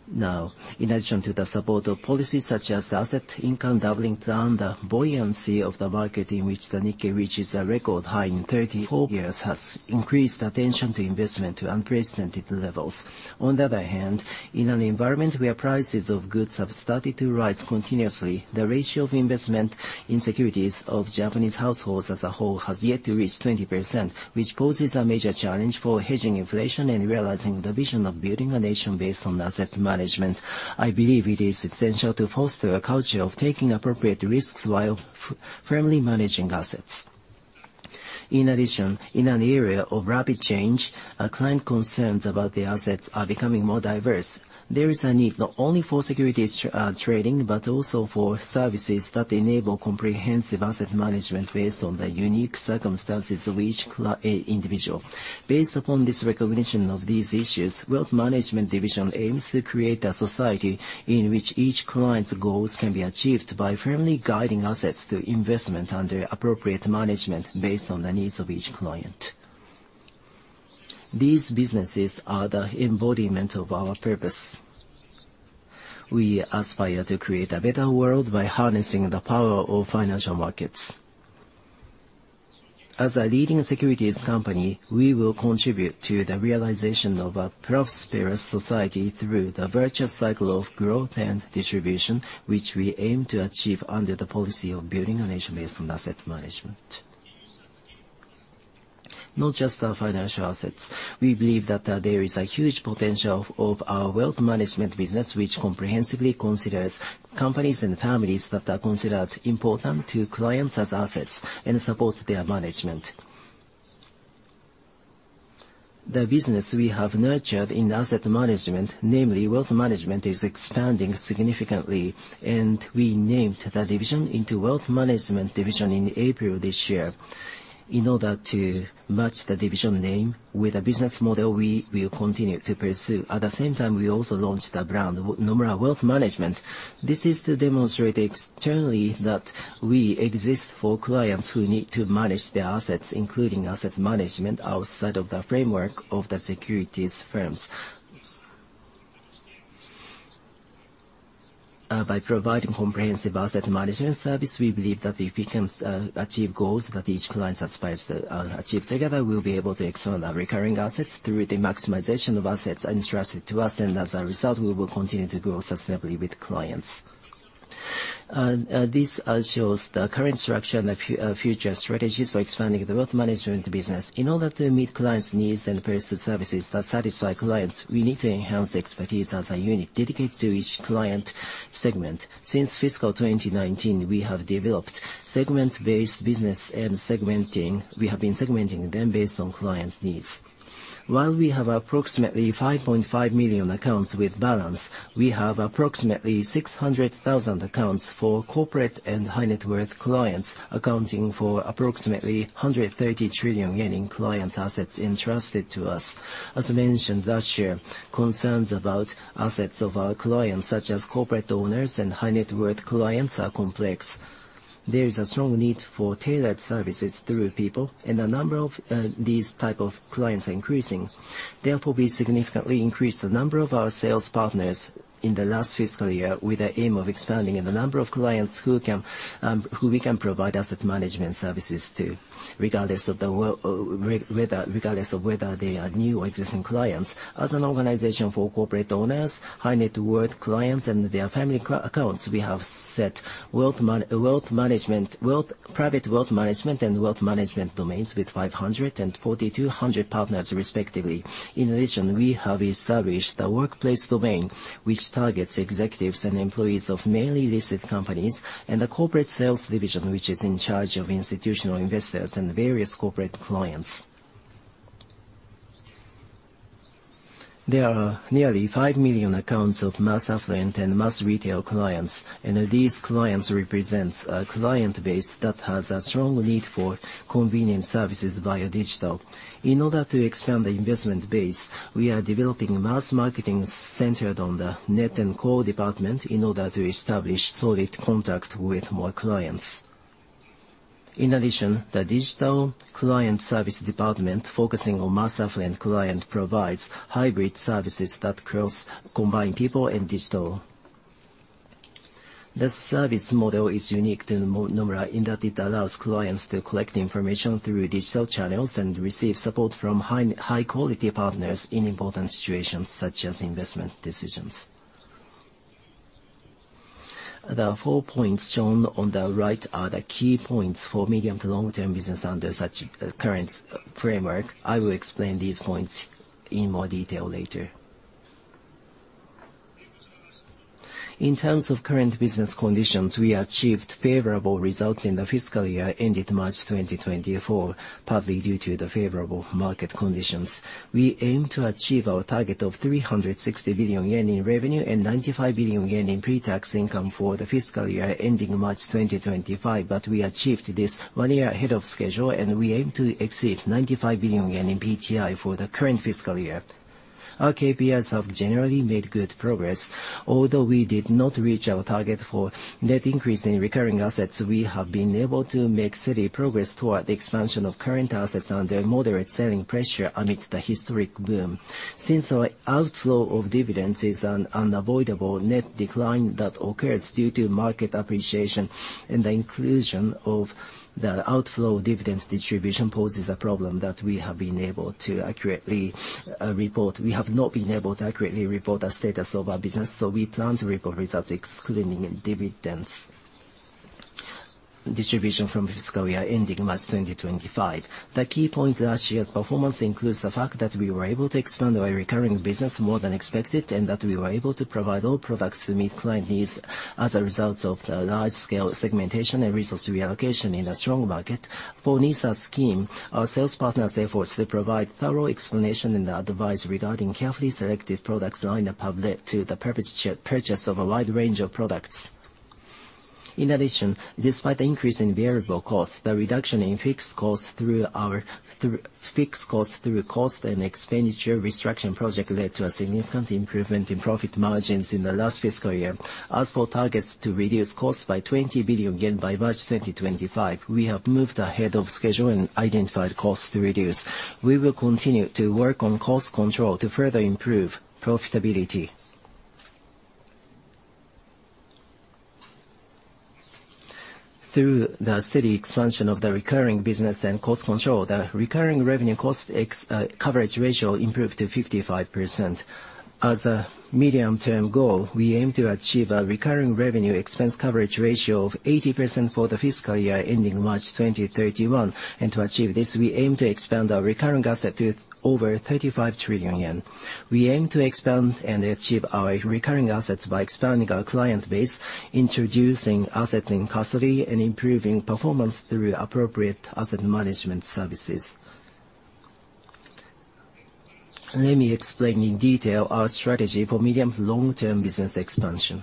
Now, in addition to the support of policies such as the Asset Income Doubling Plan, the buoyancy of the market in which the Nikkei, which is a record high in 34 years, has increased attention to investment to unprecedented levels. On the other hand, in an environment where prices of goods have started to rise continuously, the ratio of investment in securities of Japanese households as a whole has yet to reach 20%, which poses a major challenge for hedging inflation and realizing the vision of building a nation based on asset management. I believe it is essential to foster a culture of taking appropriate risks while firmly managing assets. In addition, in an area of rapid change, client concerns about the assets are becoming more diverse. There is a need not only for securities trading but also for services that enable comprehensive asset management based on the unique circumstances of each individual. Based upon this recognition of these issues, Wealth Management Division aims to create a society in which each client's goals can be achieved by firmly guiding assets to investment under appropriate management based on the needs of each client. These businesses are the embodiment of our purpose. We aspire to create a better world by harnessing the power of financial markets. As a leading securities company, we will contribute to the realization of a prosperous society through the virtuous cycle of growth and distribution, which we aim to achieve under the policy of building a nation based on asset management. Not just our financial assets. We believe that there is a huge potential of our wealth management business, which comprehensively considers companies and families that are considered important to clients as assets and supports their management. The business we have nurtured in asset management, namely wealth management, is expanding significantly, and we named the division into Wealth Management Division in April this year. In order to match the division name with a business model, we will continue to pursue. At the same time, we also launched the brand Nomura Wealth Management. This is to demonstrate externally that we exist for clients who need to manage their assets, including asset management outside of the framework of the securities firms. By providing comprehensive asset management service, we believe that if we can achieve goals that each client aspires to achieve together, we will be able to expand our recurring assets through the maximization of assets interested to us. As a result, we will continue to grow sustainably with clients. This shows the current structure and future strategies for expanding the wealth management business. In order to meet clients' needs and purchase services that satisfy clients, we need to enhance expertise as a unit dedicated to each client segment. Since fiscal 2019, we have developed segment-based business and segmenting. We have been segmenting them based on client needs. While we have approximately 5.5 million accounts with balance, we have approximately 600,000 accounts for corporate and high-net-worth clients, accounting for approximately 130 trillion yen in clients' assets interested to us. As mentioned last year, concerns about assets of our clients, such as corporate owners and high-net-worth clients, are complex. There is a strong need for tailored services through people, and the number of these types of clients are increasing. Therefore, we significantly increased the number of our sales partners in the last fiscal year with the aim of expanding the number of clients who we can provide asset management services to, regardless of whether they are new or existing clients. As an organization for corporate owners, high-net-worth clients, and their family accounts, we have set Wealth Management, Private Wealth Management, and Wealth Management domains with 500 and 4,200 partners, respectively. In addition, we have established the Workplace Domain, which targets executives and employees of mainly listed companies, and the Corporate Sales Division, which is in charge of institutional investors and various corporate clients. There are nearly 5 million accounts of mass affluent and mass retail clients, and these clients represent a client base that has a strong need for convenient services via digital. In order to expand the investment base, we are developing mass marketing centered on the NISA and Call Department in order to establish solid contact with more clients. In addition, the Digital Client Service Department focusing on mass affluent clients provides hybrid services that combine people and digital. This service model is unique to Nomura in that it allows clients to collect information through digital channels and receive support from high-quality partners in important situations such as investment decisions. The four points shown on the right are the key points for medium- to long-term business under such a current framework. I will explain these points in more detail later. In terms of current business conditions, we achieved favorable results in the fiscal year ended March 2024, partly due to the favorable market conditions. We aim to achieve our target of 360 billion yen in revenue and 95 billion yen in pre-tax income for the fiscal year ending March 2025. But we achieved this one year ahead of schedule, and we aim to exceed 95 billion yen in PTI for the current fiscal year. Our KPIs have generally made good progress, although we did not reach our target for net increase in recurring assets. We have been able to make steady progress toward expansion of current assets under moderate selling pressure amid the historic boom. Since our outflow of dividends is an unavoidable net decline that occurs due to market appreciation, and the inclusion of the outflow dividends distribution poses a problem that we have been able to accurately report. We have not been able to accurately report the status of our business, so we plan to report results excluding dividends distribution from fiscal year ending March 2025. The key point last year's performance includes the fact that we were able to expand our recurring business more than expected and that we were able to provide all products to meet client needs as a result of the large-scale segmentation and resource reallocation in a strong market for NISA scheme. Our sales partners, therefore, still provide thorough explanation and advice regarding carefully selected products lined up to the purpose purchase of a wide range of products. In addition, despite the increase in variable costs, the reduction in fixed costs through our cost and expenditure restriction project led to a significant improvement in profit margins in the last fiscal year. As for targets to reduce costs by 20 billion yen by March 2025, we have moved ahead of schedule and identified costs to reduce. We will continue to work on cost control to further improve profitability. Through the steady expansion of the recurring business and cost control, the recurring revenue cost coverage ratio improved to 55%. As a medium-term goal, we aim to achieve a recurring revenue expense coverage ratio of 80% for the fiscal year ending March 2031. To achieve this, we aim to expand our recurring asset to over 35 trillion yen. We aim to expand and achieve our recurring assets by expanding our client base, introducing assets in custody, and improving performance through appropriate asset management services. Let me explain in detail our strategy for medium to long-term business expansion.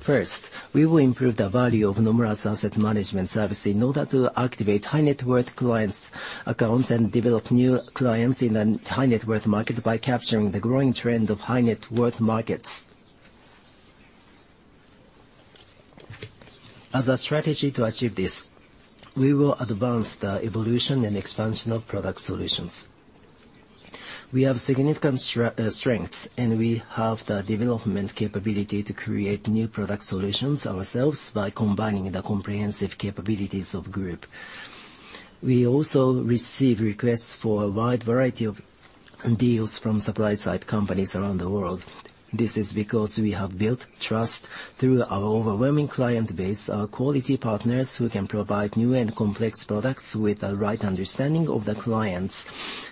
First, we will improve the value of Nomura's asset management service in order to activate high-net-worth clients' accounts and develop new clients in the high-net-worth market by capturing the growing trend of high-net-worth markets. As a strategy to achieve this, we will advance the evolution and expansion of product solutions. We have significant strengths, and we have the development capability to create new product solutions ourselves by combining the comprehensive capabilities of the group. We also receive requests for a wide variety of deals from supply-side companies around the world. This is because we have built trust through our overwhelming client base, our quality partners who can provide new and complex products with the right understanding of the clients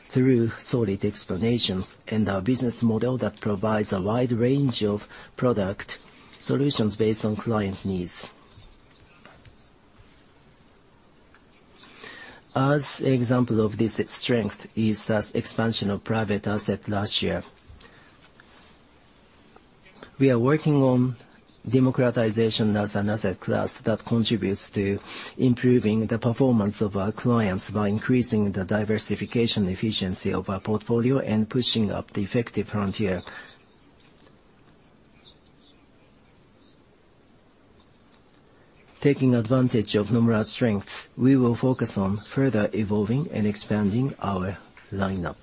through solid explanations, and our business model that provides a wide range of product solutions based on client needs. As an example of this strength is the expansion of private asset last year. We are working on democratization as an asset class that contributes to improving the performance of our clients by increasing the diversification efficiency of our portfolio and pushing up the effective frontier. Taking advantage of Nomura's strengths, we will focus on further evolving and expanding our lineup.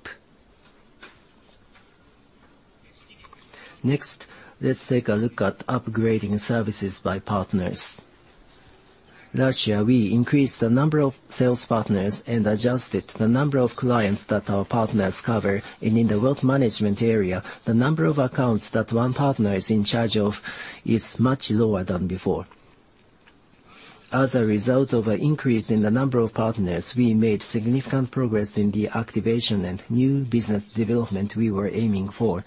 Next, let's take a look at upgrading services by partners. Last year, we increased the number of sales partners and adjusted the number of clients that our partners cover. In the wealth management area, the number of accounts that one partner is in charge of is much lower than before. As a result of an increase in the number of partners, we made significant progress in the activation and new business development we were aiming for,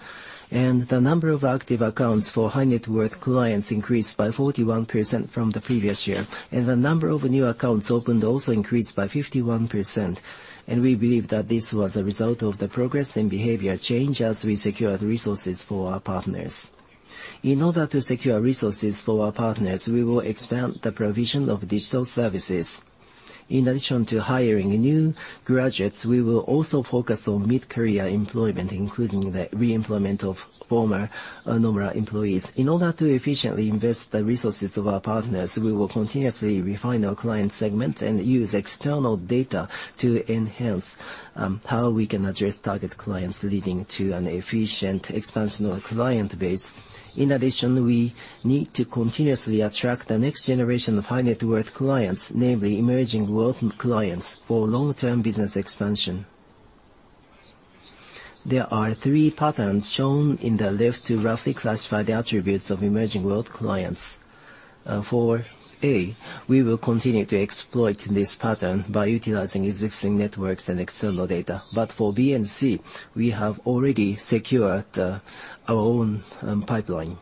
and the number of active accounts for high-net-worth clients increased by 41% from the previous year, and the number of new accounts opened also increased by 51%. We believe that this was a result of the progress in behavior change as we secured resources for our partners. In order to secure resources for our partners, we will expand the provision of digital services. In addition to hiring new graduates, we will also focus on mid-career employment, including the reemployment of former Nomura employees. In order to efficiently invest the resources of our partners, we will continuously refine our client segment and use external data to enhance how we can address target clients leading to an efficient expansion of our client base. In addition, we need to continuously attract the next generation of high-net-worth clients, namely emerging wealth clients, for long-term business expansion. There are three patterns shown in the left to roughly classify the attributes of emerging wealth clients. For A, we will continue to exploit this pattern by utilizing existing networks and external data. But for B and C, we have already secured our own pipeline.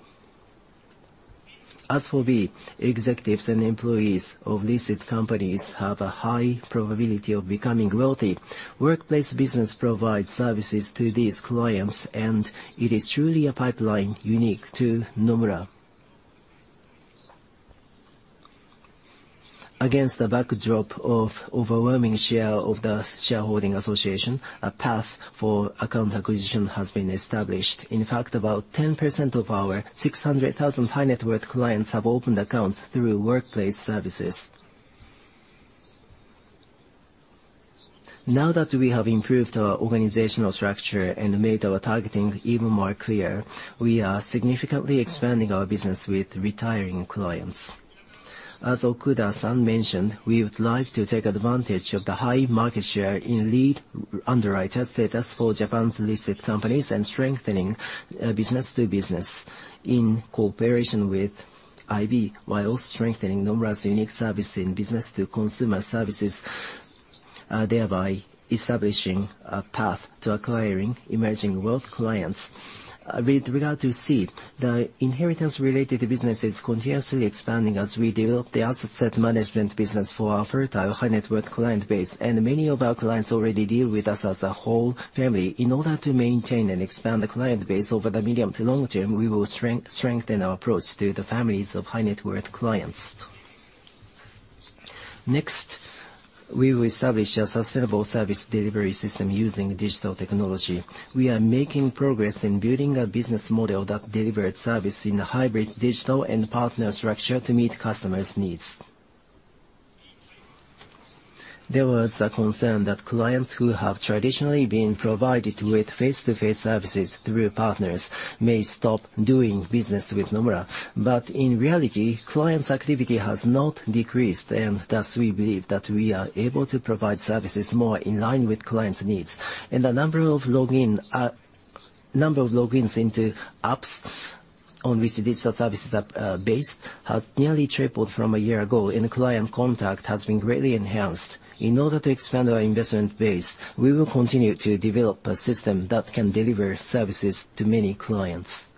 As for B, executives and employees of listed companies have a high probability of becoming wealthy. Workplace business provides services to these clients, and it is truly a pipeline unique to Nomura. Against the backdrop of the overwhelming share of the shareholding association, a path for account acquisition has been established. In fact, about 10% of our 600,000 high-net-worth clients have opened accounts through workplace services. Now that we have improved our organizational structure and made our targeting even more clear, we are significantly expanding our business with retiring clients. As Okuda-san mentioned, we would like to take advantage of the high market share in lead underwriter status for Japan's listed companies and strengthening business to business in cooperation with IB, while strengthening Nomura's unique service in business to consumer services, thereby establishing a path to acquiring emerging wealth clients. With regard to C, the inheritance-related business is continuously expanding as we develop the asset management business for our future high-net-worth client base, and many of our clients already deal with us as a whole family. In order to maintain and expand the client base over the medium to long term, we will strengthen our approach to the families of high-net-worth clients. Next, we will establish a sustainable service delivery system using digital technology. We are making progress in building a business model that delivers service in a hybrid digital and partner structure to meet customers' needs. There was a concern that clients who have traditionally been provided with face-to-face services through partners may stop doing business with Nomura. But in reality, clients' activity has not decreased, and thus we believe that we are able to provide services more in line with clients' needs. And the number of logins into apps on which digital services are based has nearly tripled from a year ago, and client contact has been greatly enhanced. In order to expand our investment base, we will continue to develop a system that can deliver services to many clients.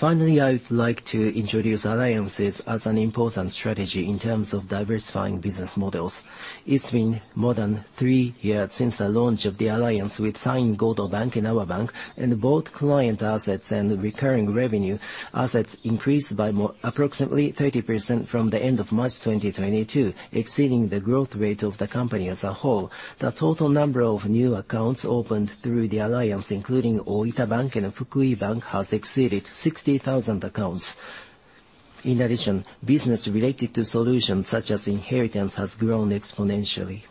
Finally, I would like to introduce alliances as an important strategy in terms of diversifying business models. It's been more than three years since the launch of the alliance with San-in Godo Bank and Awa Bank, and both client assets and recurring revenue assets increased by approximately 30% from the end of March 2022, exceeding the growth rate of the company as a whole. The total number of new accounts opened through the alliance, including Oita Bank and Fukui Bank, has exceeded 60,000 accounts. In addition, business related to solutions such as inheritance has grown exponentially.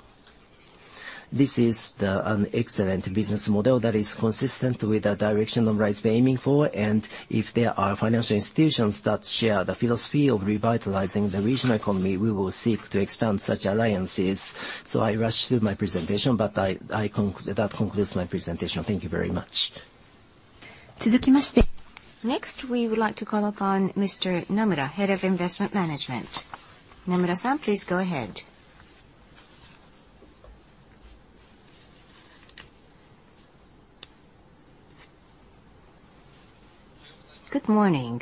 This is an excellent business model that is consistent with the direction Nomura is aiming for. And if there are financial institutions that share the philosophy of revitalizing the regional economy, we will seek to expand such alliances. I rushed through my presentation, but that concludes my presentation. Thank you very much. Next, we would like to call upon Mr. Sugiyama, Head of Investment Management. Sugiyama-san, please go ahead. Good morning.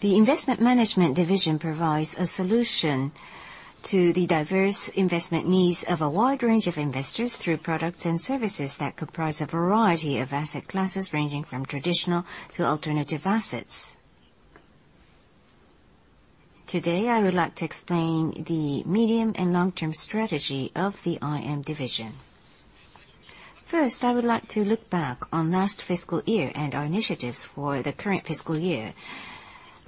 The Investment Management Division provides a solution to the diverse investment needs of a wide range of investors through products and services that comprise a variety of asset classes ranging from traditional to alternative assets. Today, I would like to explain the medium and long-term strategy of the IM division. First, I would like to look back on last fiscal year and our initiatives for the current fiscal year.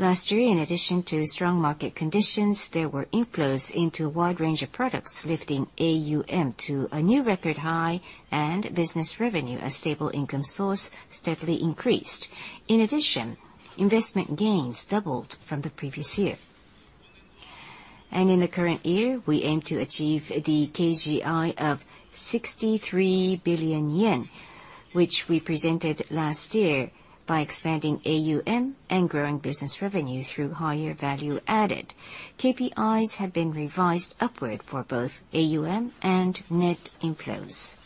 Last year, in addition to strong market conditions, there were inflows into a wide range of products, lifting AUM to a new record high and business revenue, a stable income source steadily increased. In addition, investment gains doubled from the previous year. In the current year, we aim to achieve the KGI of 63 billion yen, which we presented last year by expanding AUM and growing business revenue through higher value added. KPIs have been revised upward for both AUM and net inflows.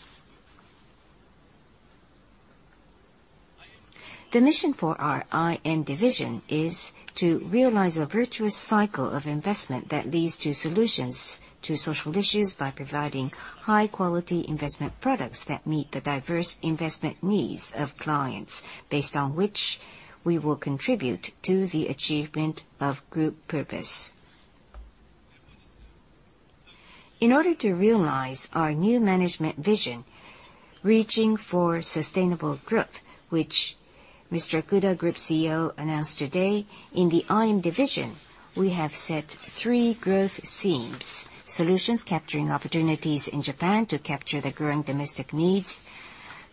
The mission for our IM division is to realize a virtuous cycle of investment that leads to solutions to social issues by providing high-quality investment products that meet the diverse investment needs of clients, based on which we will contribute to the achievement of group purpose. In order to realize our new management vision, reaching for sustainable growth, which Mr. Okuda, Group CEO, announced today in the IM division, we have set three growth themes: solutions capturing opportunities in Japan to capture the growing domestic needs,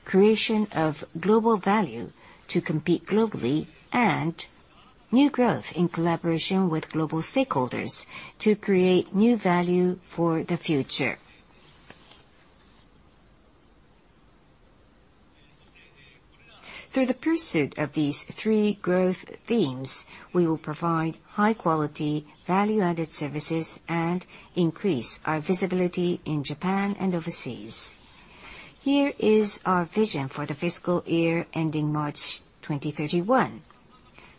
creation of global value to compete globally, and new growth in collaboration with global stakeholders to create new value for the future. Through the pursuit of these three growth themes, we will provide high-quality value-added services and increase our visibility in Japan and overseas. Here is our vision for the fiscal year ending March 2031.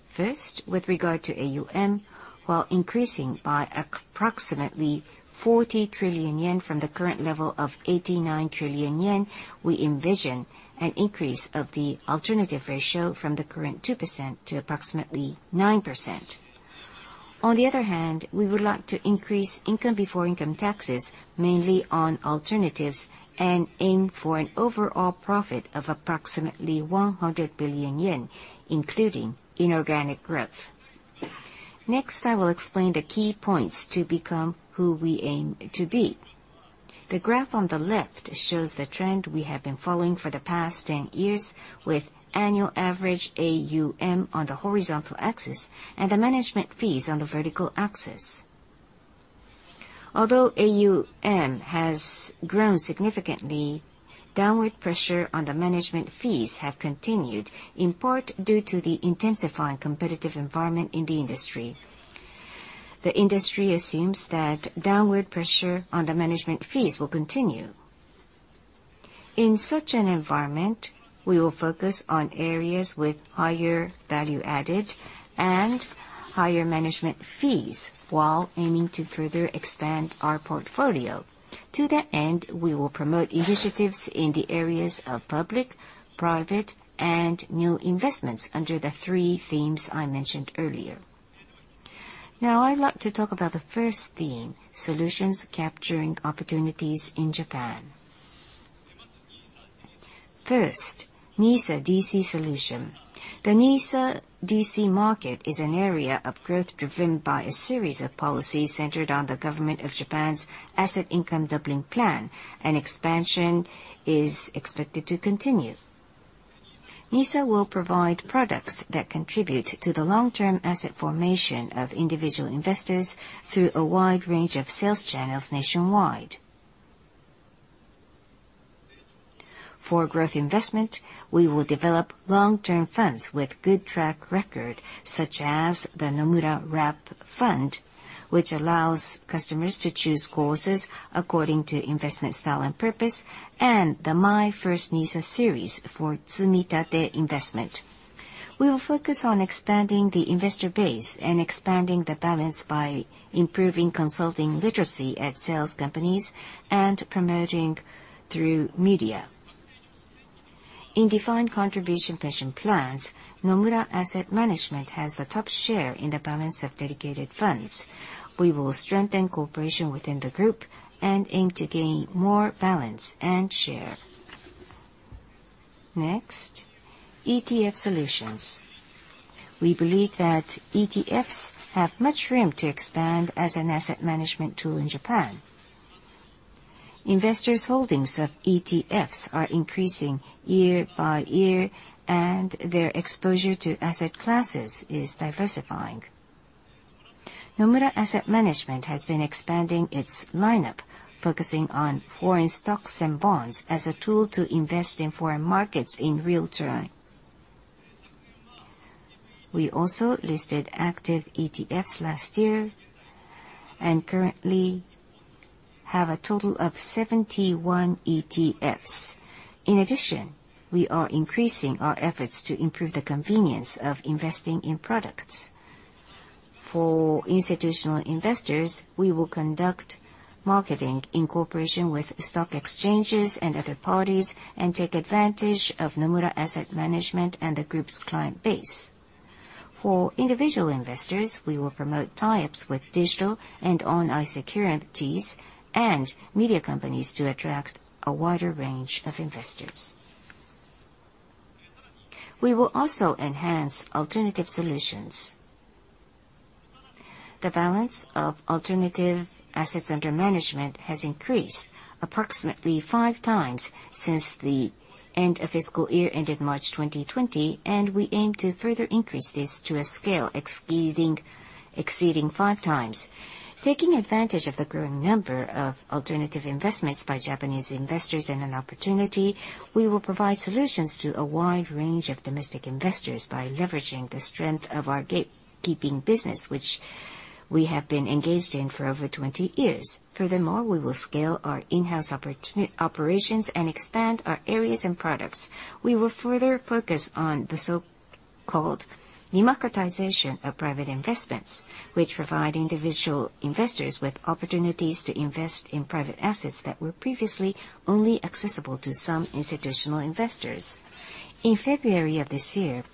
First, with regard to AUM, while increasing by approximately 40 trillion yen from the current level of 89 trillion yen, we envision an increase of the alternative ratio from the current 2% to approximately 9%. On the other hand, we would like to increase income before income taxes, mainly on alternatives, and aim for an overall profit of approximately 100 billion yen, including inorganic growth. Next, I will explain the key points to become who we aim to be. The graph on the left shows the trend we have been following for the past 10 years, with annual average AUM on the horizontal axis and the management fees on the vertical axis. Although AUM has grown significantly, downward pressure on the management fees has continued, in part due to the intensifying competitive environment in the industry. The industry assumes that downward pressure on the management fees will continue. In such an environment, we will focus on areas with higher value added and higher management fees while aiming to further expand our portfolio. To that end, we will promote initiatives in the areas of public, private, and new investments under the three themes I mentioned earlier. Now, I'd like to talk about the first theme, solutions capturing opportunities in Japan. First, NISA DC solution. The NISA DC market is an area of growth driven by a series of policies centered on the Government of Japan's Asset Income Doubling Plan, and expansion is expected to continue. NISA will provide products that contribute to the long-term asset formation of individual investors through a wide range of sales channels nationwide. For growth investment, we will develop long-term funds with good track record, such as the Nomura Fund Wrap, which allows customers to choose courses according to investment style and purpose, and the My First NISA series for tsumitate investment. We will focus on expanding the investor base and expanding the balance by improving consulting literacy at sales companies and promoting through media. In defined contribution pension plans, Nomura Asset Management has the top share in the balance of dedicated funds. We will strengthen cooperation within the group and aim to gain more balance and share. Next, ETF solutions. We believe that ETFs have much room to expand as an asset management tool in Japan. Investors' Holdings of ETFs are increasing year by year, and their exposure to asset classes is diversifying. Nomura Asset Management has been expanding its lineup, focusing on foreign stocks and bonds as a tool to invest in foreign markets in real time. We also listed active ETFs last year and currently have a total of 71 ETFs. In addition, we are increasing our efforts to improve the convenience of investing in products. For institutional investors, we will conduct marketing in cooperation with stock exchanges and other parties and take advantage of Nomura Asset Management and the group's client base. For individual investors, we will promote tie-ups with digital and online securities and media companies to attract a wider range of investors. We will also enhance alternative solutions. The balance of alternative assets under management has increased approximately five times since the end of fiscal year ended March 2020, and we aim to further increase this to a scale exceeding five times. Taking advantage of the growing number of alternative investments by Japanese investors and an opportunity, we will provide solutions to a wide range of domestic investors by leveraging the strength of our gatekeeping business, which we have been engaged in for over 20 years. Furthermore, we will scale our in-house operations and expand our areas and products. We will further focus on the so-called democratization of private investments, which provide individual investors with opportunities to invest in private assets that were previously only accessible to some institutional investors. In February of this year,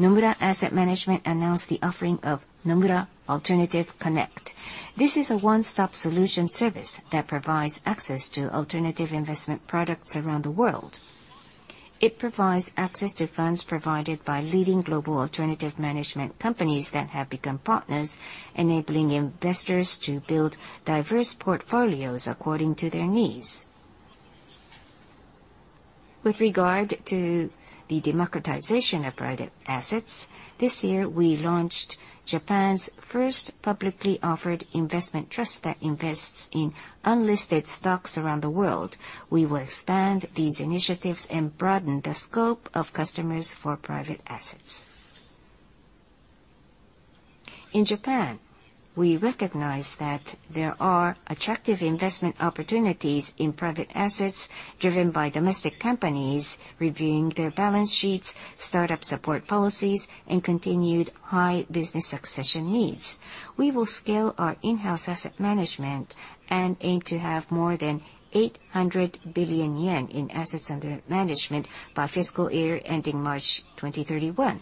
Nomura Asset Management announced the offering of Nomura Alternative Connect. This is a one-stop solution service that provides access to alternative investment products around the world. It provides access to funds provided by leading global alternative management companies that have become partners, enabling investors to build diverse portfolios according to their needs. With regard to the democratization of private assets, this year we launched Japan's first publicly offered investment trust that invests in unlisted stocks around the world. We will expand these initiatives and broaden the scope of customers for private assets. In Japan, we recognize that there are attractive investment opportunities in private assets driven by domestic companies reviewing their balance sheets, startup support policies, and continued high business succession needs. We will scale our in-house asset management and aim to have more than 800 billion yen in assets under management by fiscal year ending March 2031.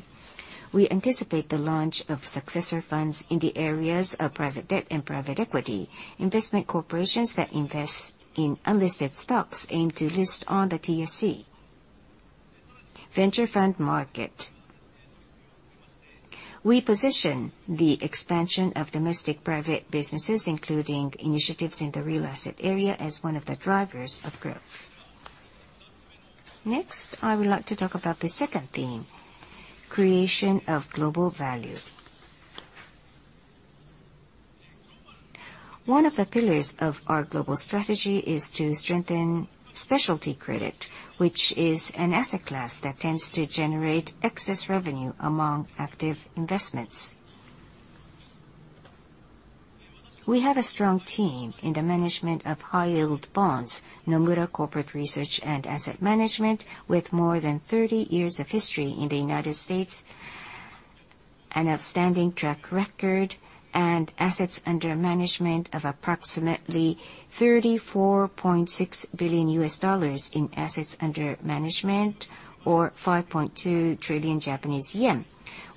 We anticipate the launch of successor funds in the areas of private debt and private equity. Investment corporations that invest in unlisted stocks aim to list on the TSE Venture Funds Market. We position the expansion of domestic private businesses, including initiatives in the real asset area, as one of the drivers of growth. Next, I would like to talk about the second theme, creation of global value. One of the pillars of our global strategy is to strengthen specialty Credit, which is an asset class that tends to generate excess revenue among active investments. We have a strong team in the management of high-yield bonds, Nomura Corporate Research and Asset Management, with more than 30 years of history in the United States, an outstanding track record, and assets under management of approximately $34.6 billion in assets under management, or 5.2 trillion Japanese yen.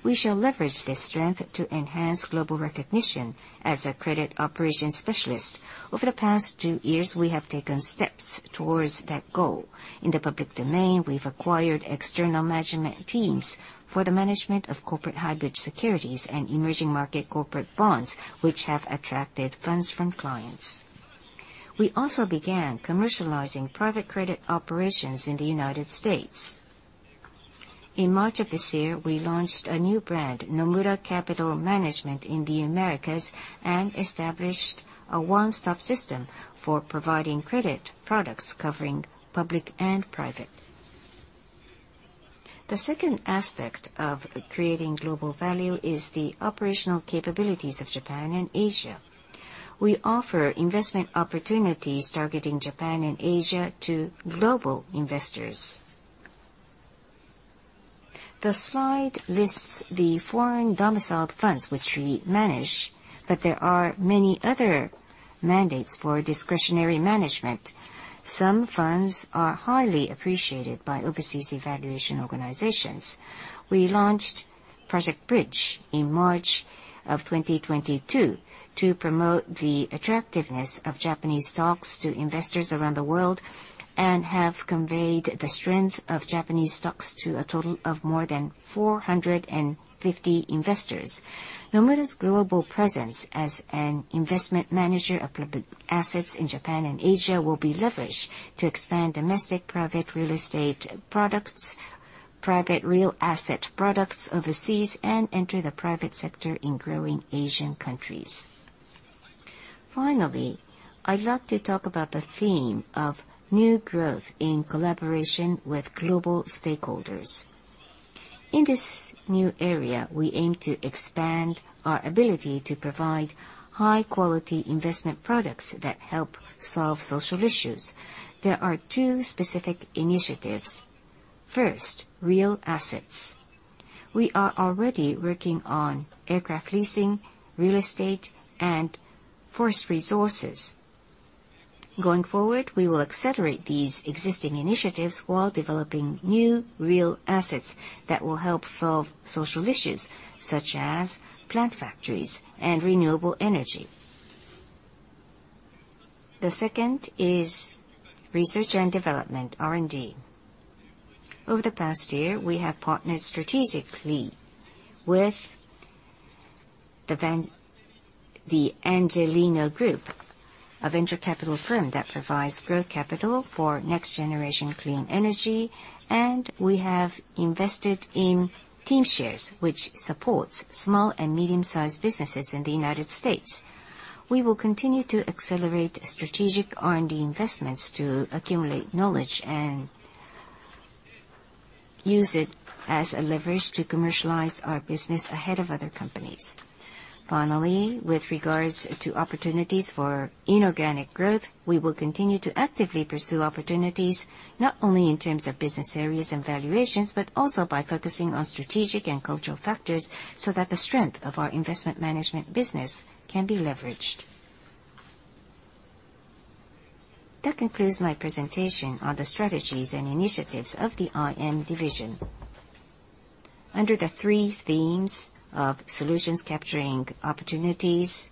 We shall leverage this strength to enhance global recognition as a Credit operations specialist. Over the past two years, we have taken steps towards that goal. In the public domain, we've acquired external management teams for the management of corporate hybrid securities and emerging market corporate bonds, which have attracted funds from clients. We also began commercializing private Credit operations in the United States. In March of this year, we launched a new brand, Nomura Capital Management, in the Americas and established a one-stop system for providing Credit products covering public and private. The second aspect of creating global value is the operational capabilities of Japan and Asia. We offer investment opportunities targeting Japan and Asia to global investors. The slide lists the foreign domiciled funds which we manage, but there are many other mandates for discretionary management. Some funds are highly appreciated by overseas evaluation organizations. We launched Project Bridge in March of 2022 to promote the attractiveness of Japanese stocks to investors around the world and have conveyed the strength of Japanese stocks to a total of more than 450 investors. Nomura's global presence as an investment manager of assets in Japan and Asia will be leveraged to expand domestic private real estate products, private real asset products overseas, and enter the private sector in growing Asian countries. Finally, I'd like to talk about the theme of new growth in collaboration with global stakeholders. In this new area, we aim to expand our ability to provide high-quality investment products that help solve social issues. There are two specific initiatives. First, real assets. We are already working on aircraft leasing, real estate, and forest resources. Going forward, we will accelerate these existing initiatives while developing new real assets that will help solve social issues, such as plant factories and renewable energy. The second is research and development, R&D. Over the past year, we have partnered strategically with the Angeleno Group, a venture capital firm that provides growth capital for next-generation clean energy, and we have invested in Teamshares, which supports small and medium-sized businesses in the United States. We will continue to accelerate strategic R&D investments to accumulate knowledge and use it as a leverage to commercialize our business ahead of other companies. Finally, with regards to opportunities for inorganic growth, we will continue to actively pursue opportunities not only in terms of business areas and valuations, but also by focusing on strategic and cultural factors so that the strength of our investment management business can be leveraged. That concludes my presentation on the strategies and initiatives of the IM division. Under the three themes of solutions capturing opportunities,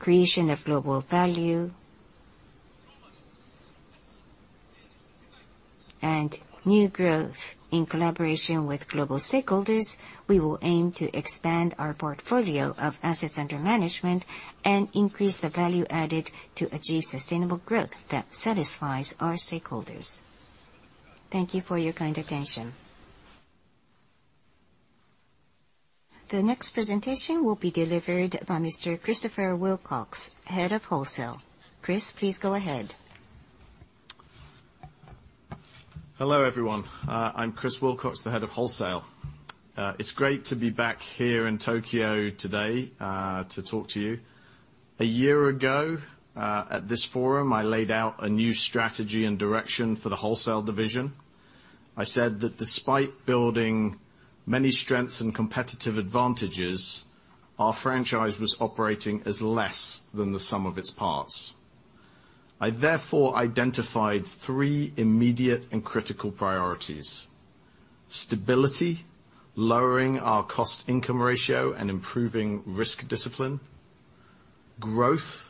creation of global value, and new growth in collaboration with global stakeholders, we will aim to expand our portfolio of assets under management and increase the value added to achieve sustainable growth that satisfies our stakeholders. Thank you for your kind attention. The next presentation will be delivered by Mr. Christopher Willcox, Head of Wholesale. Chris, please go ahead. Hello, everyone. I'm Chris Willcox, the head of Wholesale. It's great to be back here in Tokyo today to talk to you. A year ago at this forum, I laid out a new strategy and direction for the Wholesale Division. I said that despite building many strengths and competitive advantages, our franchise was operating as less than the sum of its parts. I therefore identified three immediate and critical priorities: stability, lowering our Cost-Income Ratio and improving risk discipline. Growth,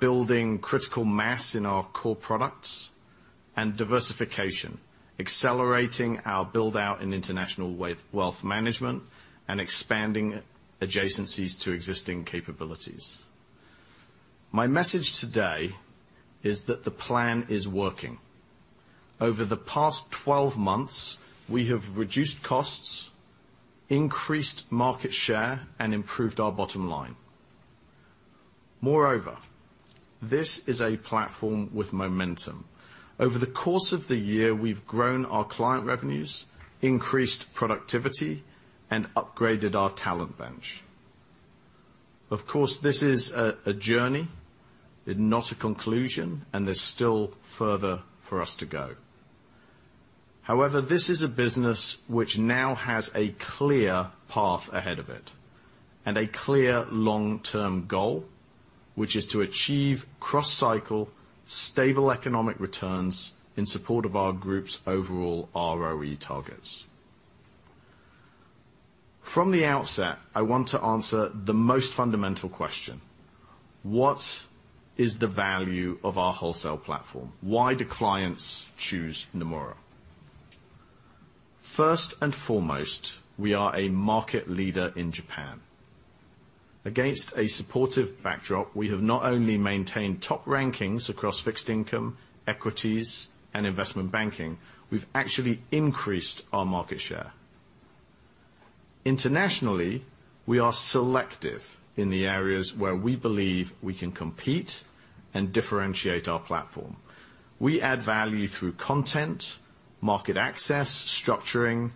building critical mass in our core products. And diversification, accelerating our build-out in international wealth management and expanding adjacencies to existing capabilities. My message today is that the plan is working. Over the past 12 months, we have reduced costs, increased market share, and improved our bottom line. Moreover, this is a platform with momentum. Over the course of the year, we've grown our client revenues, increased productivity, and upgraded our talent bench. Of course, this is a journey, not a conclusion, and there's still further for us to go. However, this is a business which now has a clear path ahead of it and a clear long-term goal, which is to achieve cross-cycle, stable economic returns in support of our group's overall ROE targets. From the outset, I want to answer the most fundamental question: What is the value of our wholesale platform? Why do clients choose Nomura? First and foremost, we are a market leader in Japan. Against a supportive backdrop, we have not only maintained top rankings across Fixed Income, Equities, and Investment Banking. We've actually increased our market share. Internationally, we are selective in the areas where we believe we can compete and differentiate our platform. We add value through content, market access, structuring,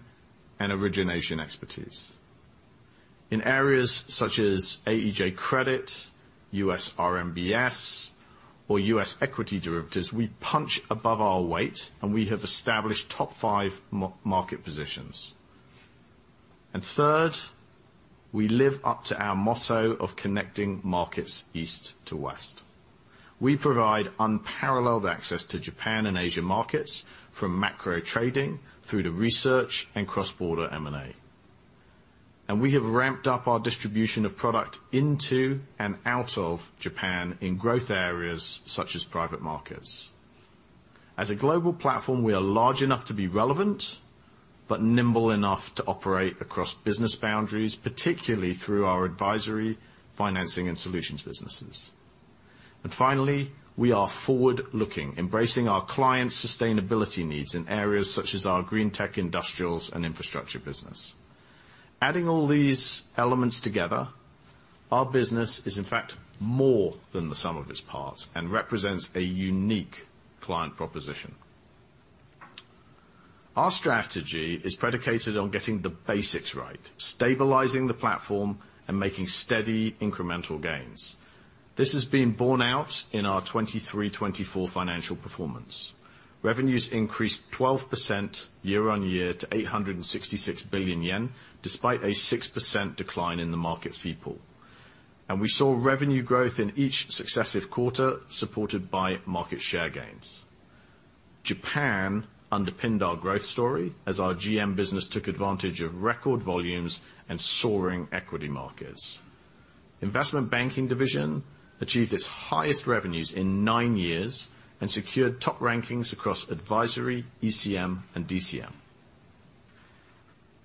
and origination expertise. In areas such as AEJ Credit, US RMBS, or US equity derivatives, we punch above our weight, and we have established top five market positions. And third, we live up to our motto of connecting markets east to west. We provide unparalleled access to Japan and Asia markets from Macro trading through to research and cross-border M&A. And we have ramped up our distribution of product into and out of Japan in growth areas such as private markets. As a global platform, we are large enough to be relevant but nimble enough to operate across business boundaries, particularly through our advisory, financing, and solutions businesses. And finally, we are forward-looking, embracing our clients' sustainability needs in areas such as our green tech industrials and infrastructure business. Adding all these elements together, our business is, in fact, more than the sum of its parts and represents a unique client proposition. Our strategy is predicated on getting the basics right, stabilizing the platform, and making steady, incremental gains. This has been borne out in our 2023/2024 financial performance. Revenues increased 12% year-on-year to 866 billion yen despite a 6% decline in the market fee pool. And we saw revenue growth in each successive quarter supported by market share gains. Japan underpinned our growth story as our GM business took advantage of record volumes and soaring equity markets. Investment Banking Division achieved its highest revenues in nine years and secured top rankings across advisory, ECM, and DCM.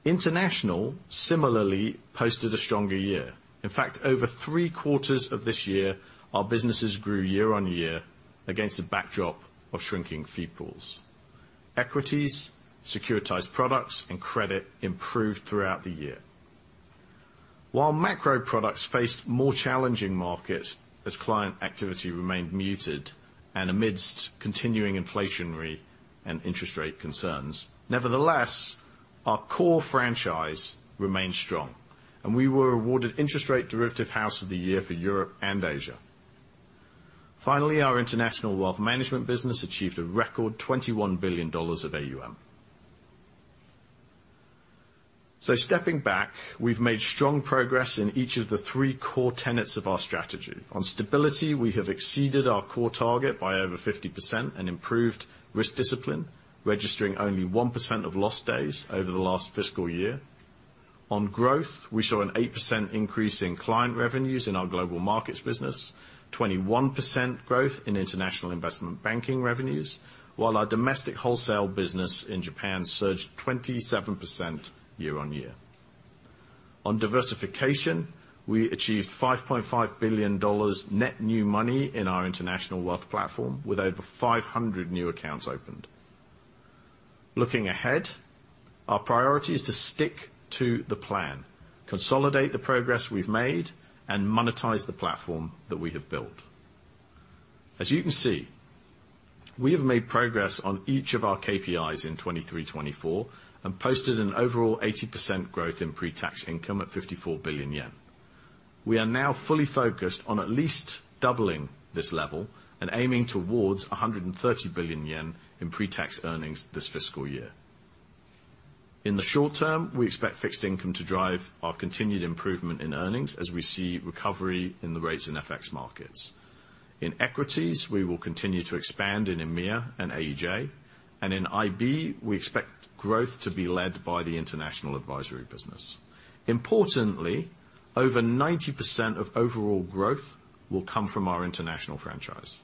International similarly posted a stronger year. In fact, over three-quarters of this year, our businesses grew year-on-year against a backdrop of shrinking fee pools. Equities, Securitized Products, and Credit improved throughout the year. While Macro products faced more challenging markets as client activity remained muted and amidst continuing inflationary and interest rate concerns, nevertheless, our core franchise remained strong, and we were awarded interest rate derivative House of the Year for Europe and Asia. Finally, our international wealth management business achieved a record $21 billion of AUM. So stepping back, we've made strong progress in each of the three core tenets of our strategy. On stability, we have exceeded our core target by over 50% and improved risk discipline, registering only 1% of lost days over the last fiscal year. On growth, we saw an 8% increase in client revenues in our Global Markets business, 21% growth in international Investment Banking revenues, while our domestic wholesale business in Japan surged 27% year-on-year. On diversification, we achieved $5.5 billion net new money in our international wealth platform with over 500 new accounts opened. Looking ahead, our priority is to stick to the plan, consolidate the progress we've made, and monetize the platform that we have built. As you can see, we have made progress on each of our KPIs in 2023/2024 and posted an overall 80% growth in pre-tax income at 54 billion yen. We are now fully focused on at least doubling this level and aiming towards 130 billion yen in pre-tax earnings this fiscal year. In the short term, we expect Fixed Income to drive our continued improvement in earnings as we see recovery in the rates in FX markets. In Equities, we will continue to expand in EMEA and AEJ, and in IB, we expect growth to be led by the international advisory business. Importantly, over 90% of overall growth will come from our international franchise.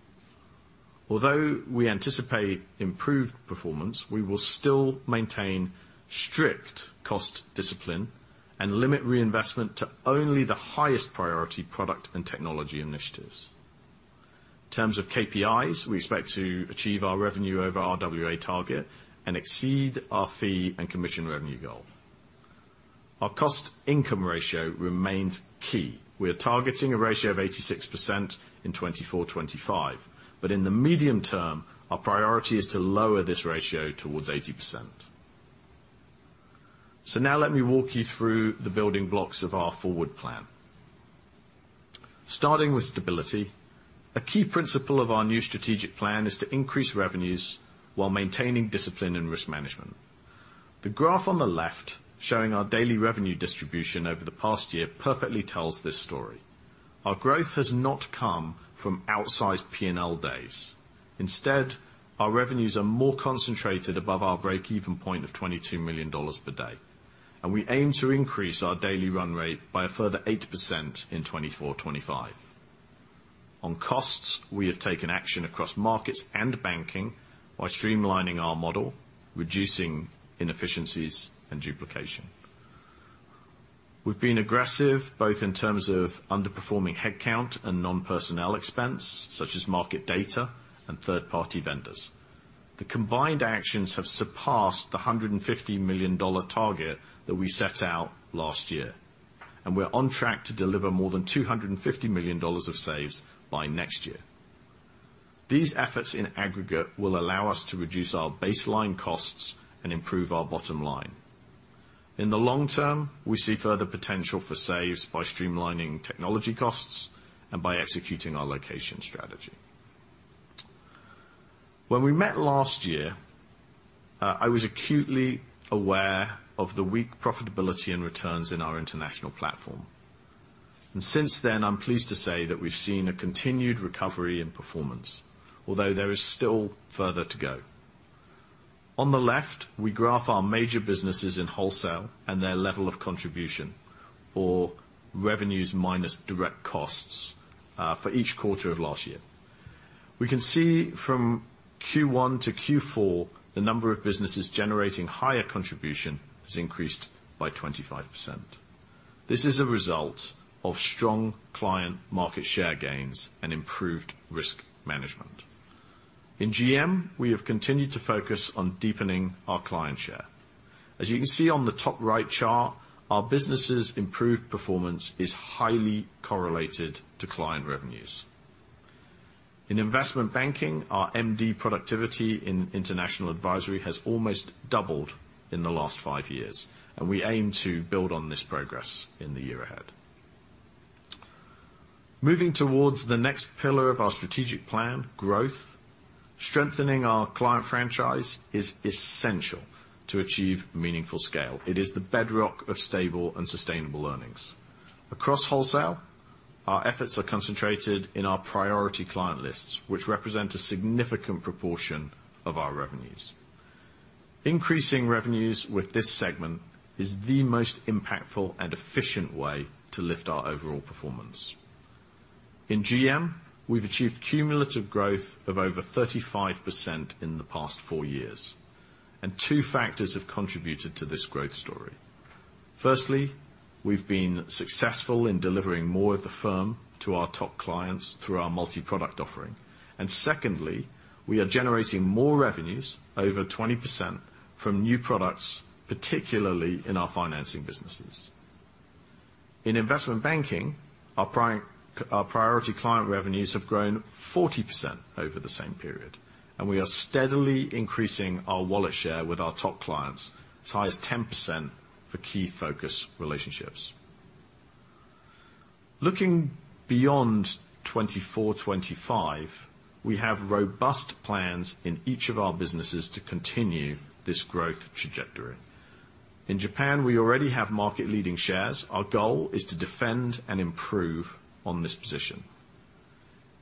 Although we anticipate improved performance, we will still maintain strict cost discipline and limit reinvestment to only the highest priority product and technology initiatives. In terms of KPIs, we expect to achieve our revenue over RWA target and exceed our fee and commission revenue goal. Our cost-income ratio remains key. We are targeting a ratio of 86% in 2024/2025, but in the medium term, our priority is to lower this ratio towards 80%. So now let me walk you through the building blocks of our forward plan. Starting with stability, a key principle of our new strategic plan is to increase revenues while maintaining discipline and risk management. The graph on the left showing our daily revenue distribution over the past year perfectly tells this story. Our growth has not come from outsized P&L days. Instead, our revenues are more concentrated above our break-even point of $22 million per day, and we aim to increase our daily run rate by a further 8% in 2024/2025. On costs, we have taken action across markets and banking while streamlining our model, reducing inefficiencies and duplication. We've been aggressive both in terms of underperforming headcount and non-personnel expense, such as market data and third-party vendors. The combined actions have surpassed the $150 million target that we set out last year, and we're on track to deliver more than $250 million of saves by next year. These efforts in aggregate will allow us to reduce our baseline costs and improve our bottom line. In the long term, we see further potential for saves by streamlining technology costs and by executing our location strategy. When we met last year, I was acutely aware of the weak profitability and returns in our international platform. Since then, I'm pleased to say that we've seen a continued recovery in performance, although there is still further to go. On the left, we graph our major businesses in Wholesale and their level of contribution, or revenues minus direct costs, for each quarter of last year. We can see from Q1 to Q4 the number of businesses generating higher contribution has increased by 25%. This is a result of strong client market share gains and improved risk management. In GM, we have continued to focus on deepening our client share. As you can see on the top right chart, our businesses' improved performance is highly correlated to client revenues. In Investment Banking, our MD productivity in international advisory has almost doubled in the last 5 years, and we aim to build on this progress in the year ahead. Moving towards the next pillar of our strategic plan, growth, strengthening our client franchise is essential to achieve meaningful scale. It is the bedrock of stable and sustainable earnings. Across Wholesale, our efforts are concentrated in our priority client lists, which represent a significant proportion of our revenues. Increasing revenues with this segment is the most impactful and efficient way to lift our overall performance. In GM, we've achieved cumulative growth of over 35% in the past 4 years, and 2 factors have contributed to this growth story. Firstly, we've been successful in delivering more of the firm to our top clients through our multi-product offering. Secondly, we are generating more revenues, over 20%, from new products, particularly in our financing businesses. In Investment Banking, our priority client revenues have grown 40% over the same period, and we are steadily increasing our wallet share with our top clients, as high as 10% for key focus relationships. Looking beyond 2024/25, we have robust plans in each of our businesses to continue this growth trajectory. In Japan, we already have market-leading shares. Our goal is to defend and improve on this position.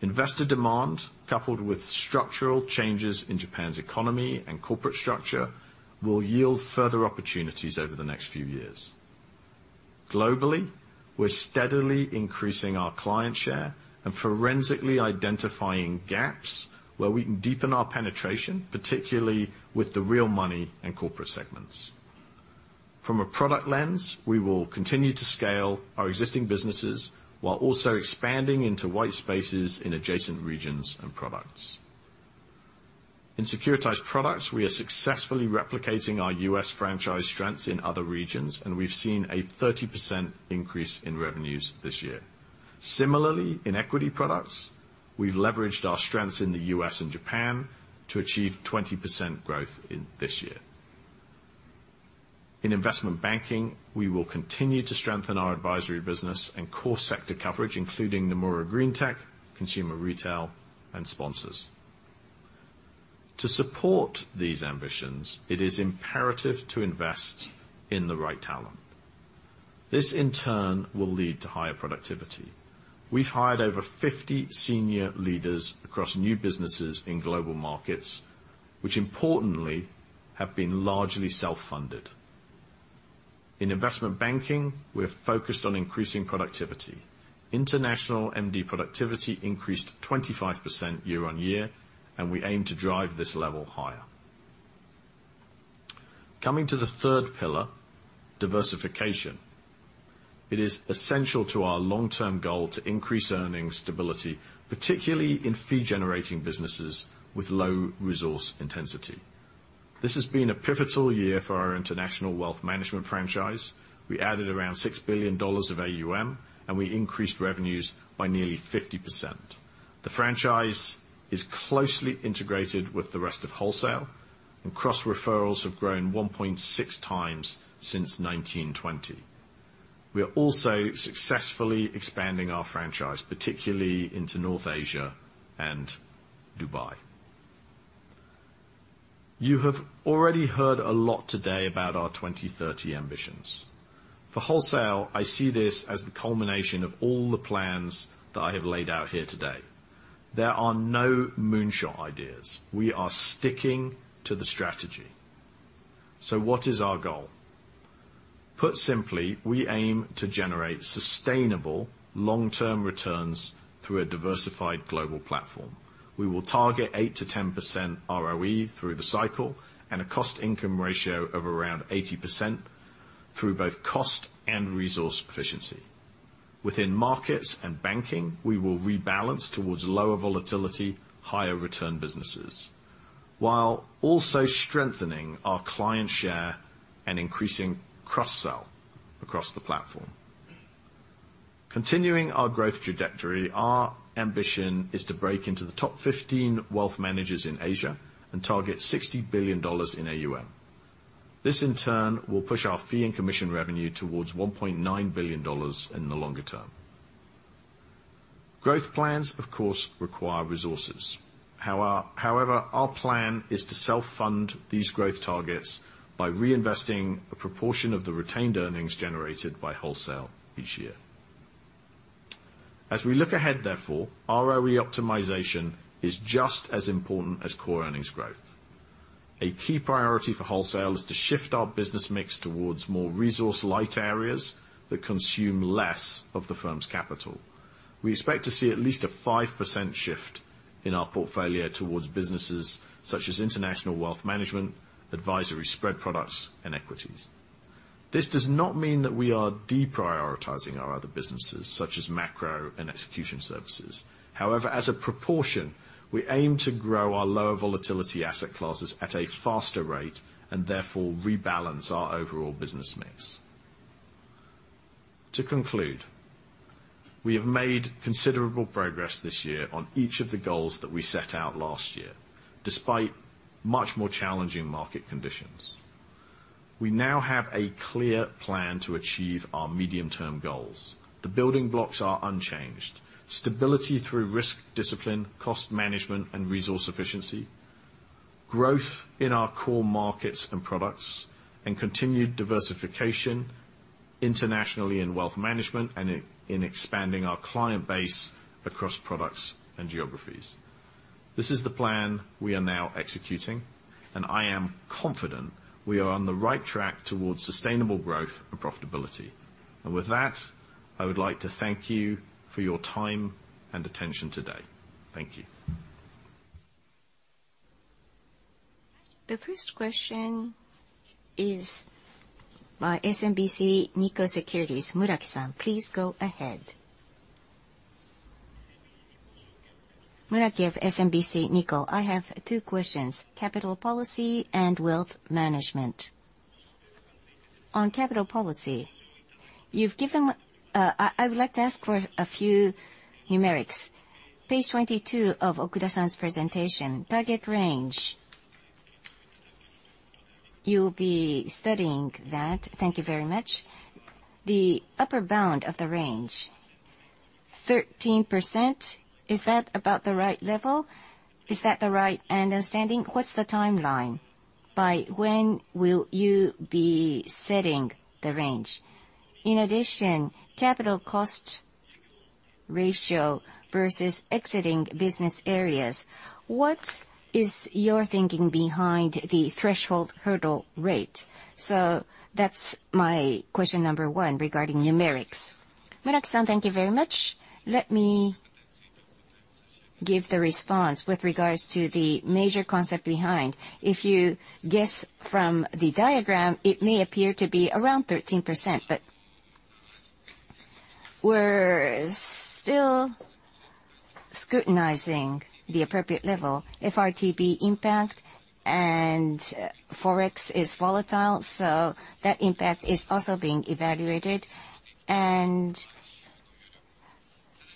Investor demand, coupled with structural changes in Japan's economy and corporate structure, will yield further opportunities over the next few years. Globally, we're steadily increasing our client share and forensically identifying gaps where we can deepen our penetration, particularly with the real money and corporate segments. From a product lens, we will continue to scale our existing businesses while also expanding into white spaces in adjacent regions and products. In Securitized Products, we are successfully replicating our U.S. franchise strengths in other regions, and we've seen a 30% increase in revenues this year. Similarly, in equity products, we've leveraged our strengths in the U.S. and Japan to achieve 20% growth this year. In Investment Banking, we will continue to strengthen our advisory business and core sector coverage, including Nomura Greentech, consumer retail, and sponsors. To support these ambitions, it is imperative to invest in the right talent. This, in turn, will lead to higher productivity. We've hired over 50 senior leaders across new businesses in Global Markets, which importantly have been largely self-funded. In Investment Banking, we're focused on increasing productivity. International MD productivity increased 25% year-over-year, and we aim to drive this level higher. Coming to the third pillar, diversification. It is essential to our long-term goal to increase earnings stability, particularly in fee-generating businesses with low resource intensity. This has been a pivotal year for our international wealth management franchise. We added around $6 billion of AUM, and we increased revenues by nearly 50%. The franchise is closely integrated with the rest of wholesale, and cross-referrals have grown 1.6 times since 2020. We are also successfully expanding our franchise, particularly into North Asia and Dubai. You have already heard a lot today about our 2030 ambitions. For wholesale, I see this as the culmination of all the plans that I have laid out here today. There are no moonshot ideas. We are sticking to the strategy. So what is our goal? Put simply, we aim to generate sustainable, long-term returns through a diversified global platform. We will target 8%-10% ROE through the cycle and a cost-income ratio of around 80% through both cost and resource efficiency. Within markets and banking, we will rebalance towards lower volatility, higher return businesses, while also strengthening our client share and increasing cross-sell across the platform. Continuing our growth trajectory, our ambition is to break into the top 15 wealth managers in Asia and target $60 billion in AUM. This, in turn, will push our fee and commission revenue towards $1.9 billion in the longer term. Growth plans, of course, require resources. However, our plan is to self-fund these growth targets by reinvesting a proportion of the retained earnings generated by wholesale each year. As we look ahead, therefore, ROE optimization is just as important as core earnings growth. A key priority for wholesale is to shift our business mix towards more resource-light areas that consume less of the firm's capital. We expect to see at least a 5% shift in our portfolio towards businesses such as international wealth management, advisory, Spread Products, and Equities. This does not mean that we are deprioritizing our other businesses, such as Macro and execution services. However, as a proportion, we aim to grow our lower volatility asset classes at a faster rate and therefore rebalance our overall business mix. To conclude, we have made considerable progress this year on each of the goals that we set out last year, despite much more challenging market conditions. We now have a clear plan to achieve our medium-term goals. The building blocks are unchanged: stability through risk discipline, cost management, and resource efficiency; growth in our core markets and products; and continued diversification internationally in wealth management and in expanding our client base across products and geographies. This is the plan we are now executing, and I am confident we are on the right track towards sustainable growth and profitability. And with that, I would like to thank you for your time and attention today. Thank you. The first question is by SMBC Nikko Securities. Muraki-san, please go ahead. Muraki of SMBC Nikko, I have two questions: capital policy and wealth management. On capital policy, I would like to ask for a few numerics. Page 22 of Okuda-san's presentation, target range. You'll be studying that. Thank you very much. The upper bound of the range, 13%, is that about the right level? Is that the right understanding? What's the timeline by when will you be setting the range? In addition, capital cost ratio versus exiting business areas, what is your thinking behind the threshold hurdle rate? So that's my question number one regarding numerics. Muraki-san, thank you very much. Let me give the response with regards to the major concept behind. If you guess from the diagram, it may appear to be around 13%, but we're still scrutinizing the appropriate level. FRTB impact, and Forex is volatile, so that impact is also being evaluated. And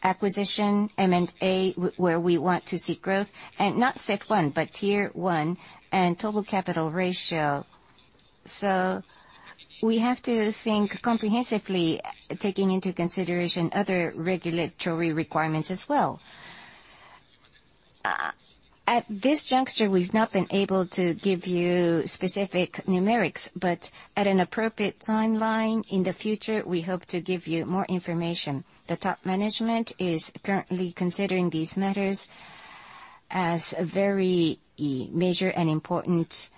acquisition, M&A, where we want to see growth, and not set one, but Tier 1, and total capital ratio. So we have to think comprehensively, taking into consideration other regulatory requirements as well. At this juncture, we've not been able to give you specific numerics, but at an appropriate timeline in the future, we hope to give you more information. The top management is currently considering these matters as very major and important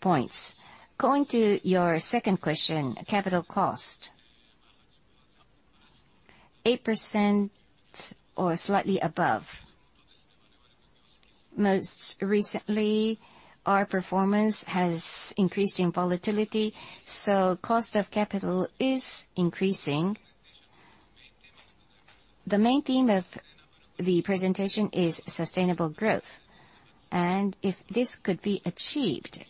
points. Going to your second question, capital cost. 8% or slightly above. Most recently, our performance has increased in volatility, so cost of capital is increasing. The main theme of the presentation is sustainable growth. If this could be achieved,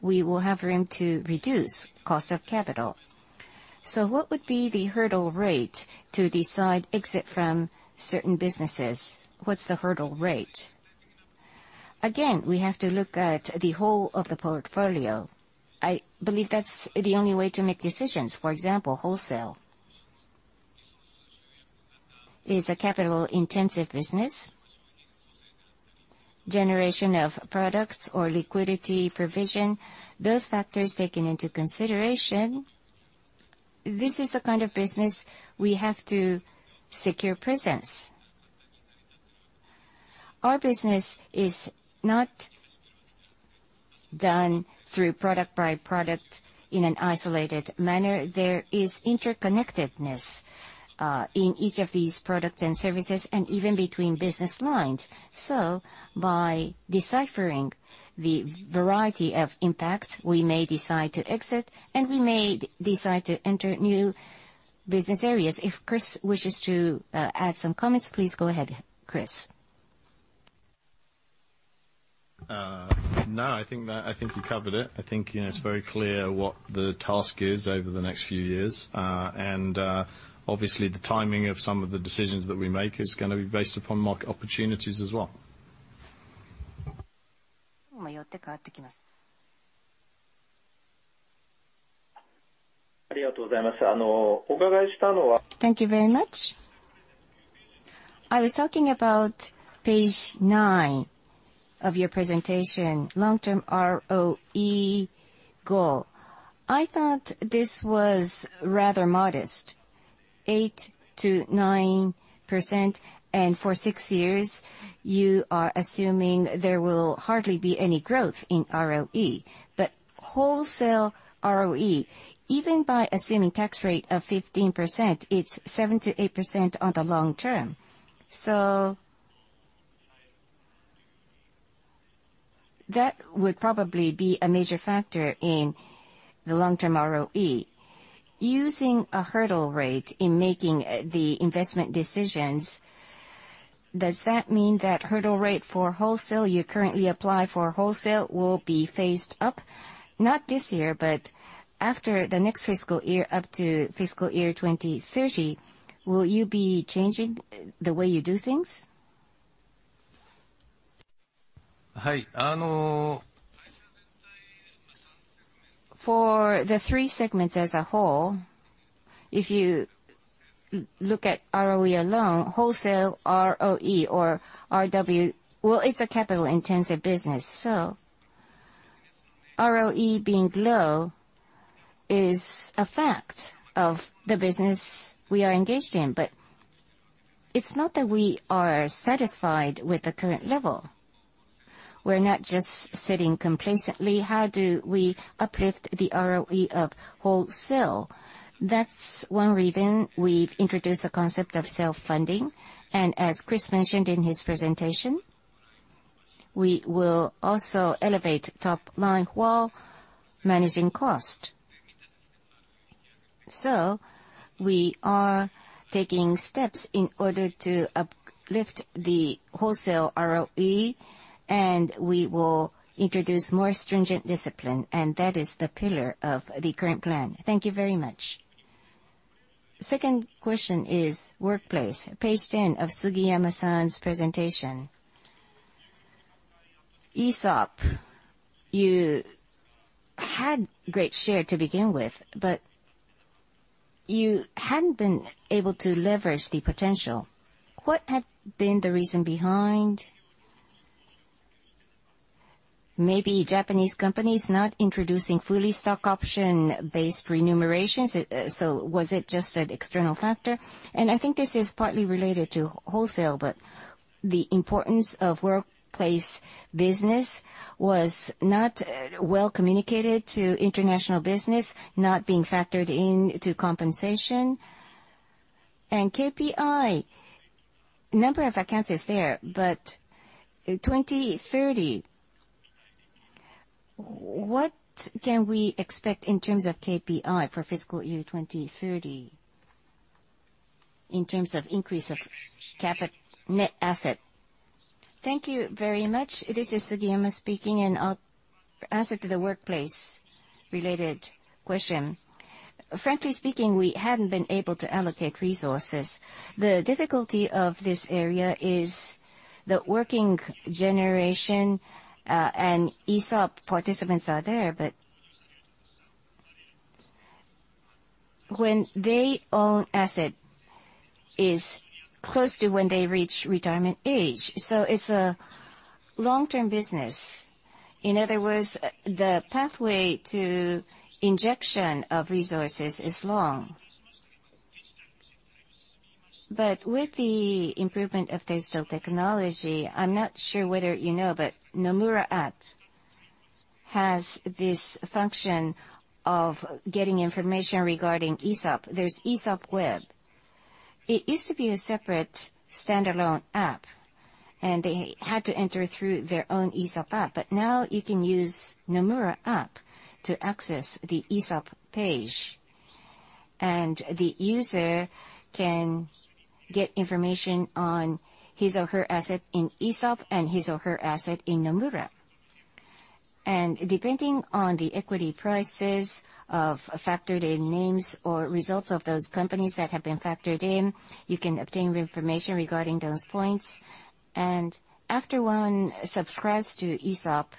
we will have room to reduce cost of capital. What would be the hurdle rate to decide exit from certain businesses? What's the hurdle rate? Again, we have to look at the whole of the portfolio. I believe that's the only way to make decisions. For example, Wholesale is a capital-intensive business. Generation of products or liquidity provision, those factors taken into consideration, this is the kind of business we have to secure presence. Our business is not done through product-by-product in an isolated manner. There is interconnectedness in each of these products and services, and even between business lines. So by deciphering the variety of impacts, we may decide to exit, and we may decide to enter new business areas. If Chris wishes to add some comments, please go ahead, Chris. No, I think you covered it. I think it's very clear what the task is over the next few years. Obviously, the timing of some of the decisions that we make is going to be based upon market opportunities as well. Thank you very much. I was talking about page 9 of your presentation, long-term ROE goal. I thought this was rather modest, 8%-9%, and for 6 years, you are assuming there will hardly be any growth in ROE. But wholesale ROE, even by assuming tax rate of 15%, it's 7%-8% on the long term. So that would probably be a major factor in the long-term ROE. Using a hurdle rate in making the investment decisions, does that mean that hurdle rate for wholesale you currently apply for wholesale will be phased up? Not this year, but after the next fiscal year, up to fiscal year 2030, will you be changing the way you do things? For the 3 segments as a whole, if you look at ROE alone, wholesale ROE or RW, well, it's a capital-intensive business. So ROE being low is a fact of the business we are engaged in, but it's not that we are satisfied with the current level. We're not just sitting complacently. How do we uplift the ROE of wholesale? That's one reason we've introduced the concept of self-funding. And as Chris mentioned in his presentation, we will also elevate top-line while managing cost. So we are taking steps in order to uplift the wholesale ROE, and we will introduce more stringent discipline. And that is the pillar of the current plan. Thank you very much. Second question is wealth, page 10 of Sugiyama-san's presentation. ESOP, you had great share to begin with, but you hadn't been able to leverage the potential. What had been the reason behind? Maybe Japanese companies not introducing fully stock-option-based remunerations. So was it just an external factor? And I think this is partly related to Wholesale, but the importance of workplace business was not well communicated to international business, not being factored into compensation. And KPI, number of accounts is there, but 2030, what can we expect in terms of KPI for fiscal year 2030 in terms of increase of net asset? Thank you very much. This is Sugiyama speaking, and I'll answer to the workplace-related question. Frankly speaking, we hadn't been able to allocate resources. The difficulty of this area is the working generation and ESOP participants are there, but when they own asset is close to when they reach retirement age. So it's a long-term business. In other words, the pathway to injection of resources is long. But with the improvement of digital technology, I'm not sure whether you know, but Nomura App has this function of getting information regarding ESOP. There's ESOP Web. It used to be a separate standalone app, and they had to enter through their own ESOP app. But now you can use Nomura App to access the ESOP page, and the user can get information on his or her asset in ESOP and his or her asset in Nomura. And depending on the equity prices factored in names or results of those companies that have been factored in, you can obtain information regarding those points. And after one subscribes to ESOP,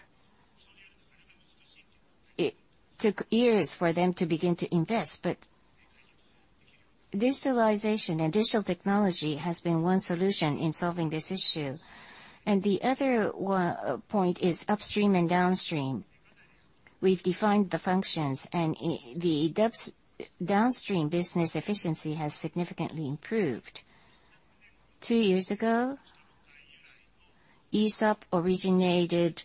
it took years for them to begin to invest. But digitalization and digital technology has been one solution in solving this issue. And the other point is upstream and downstream. We've defined the functions, and the downstream business efficiency has significantly improved. Two years ago, ESOP originated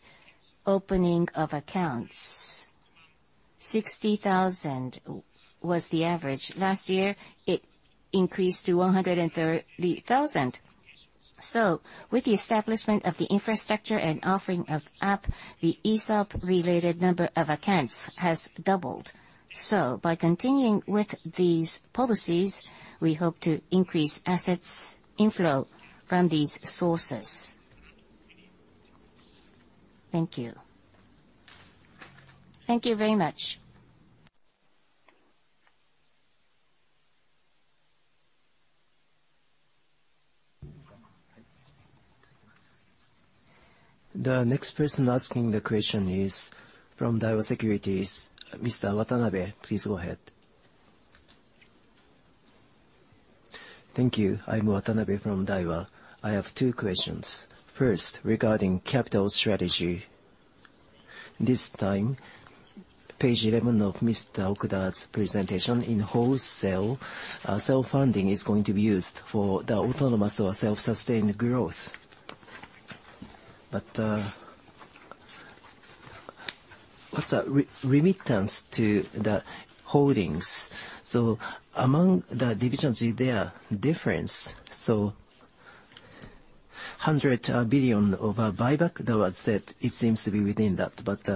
opening of accounts. 60,000 was the average. Last year, it increased to 130,000. So with the establishment of the infrastructure and offering of app, the ESOP-related number of accounts has doubled. So by continuing with these policies, we hope to increase assets inflow from these sources. Thank you. Thank you very much. The next person asking the question is from Daiwa Securities. Mr. Watanabe, please go ahead. Thank you. I'm Watanabe from Daiwa. I have two questions. First, regarding capital strategy. This time, page 11 of Mr. Okuda's presentation in Wholesale, self-funding is going to be used for the autonomous or self-sustained growth. But what's a remittance to the Holdings? So among the divisions, is there a difference? So 100 billion of a buyback, it seems to be within that. But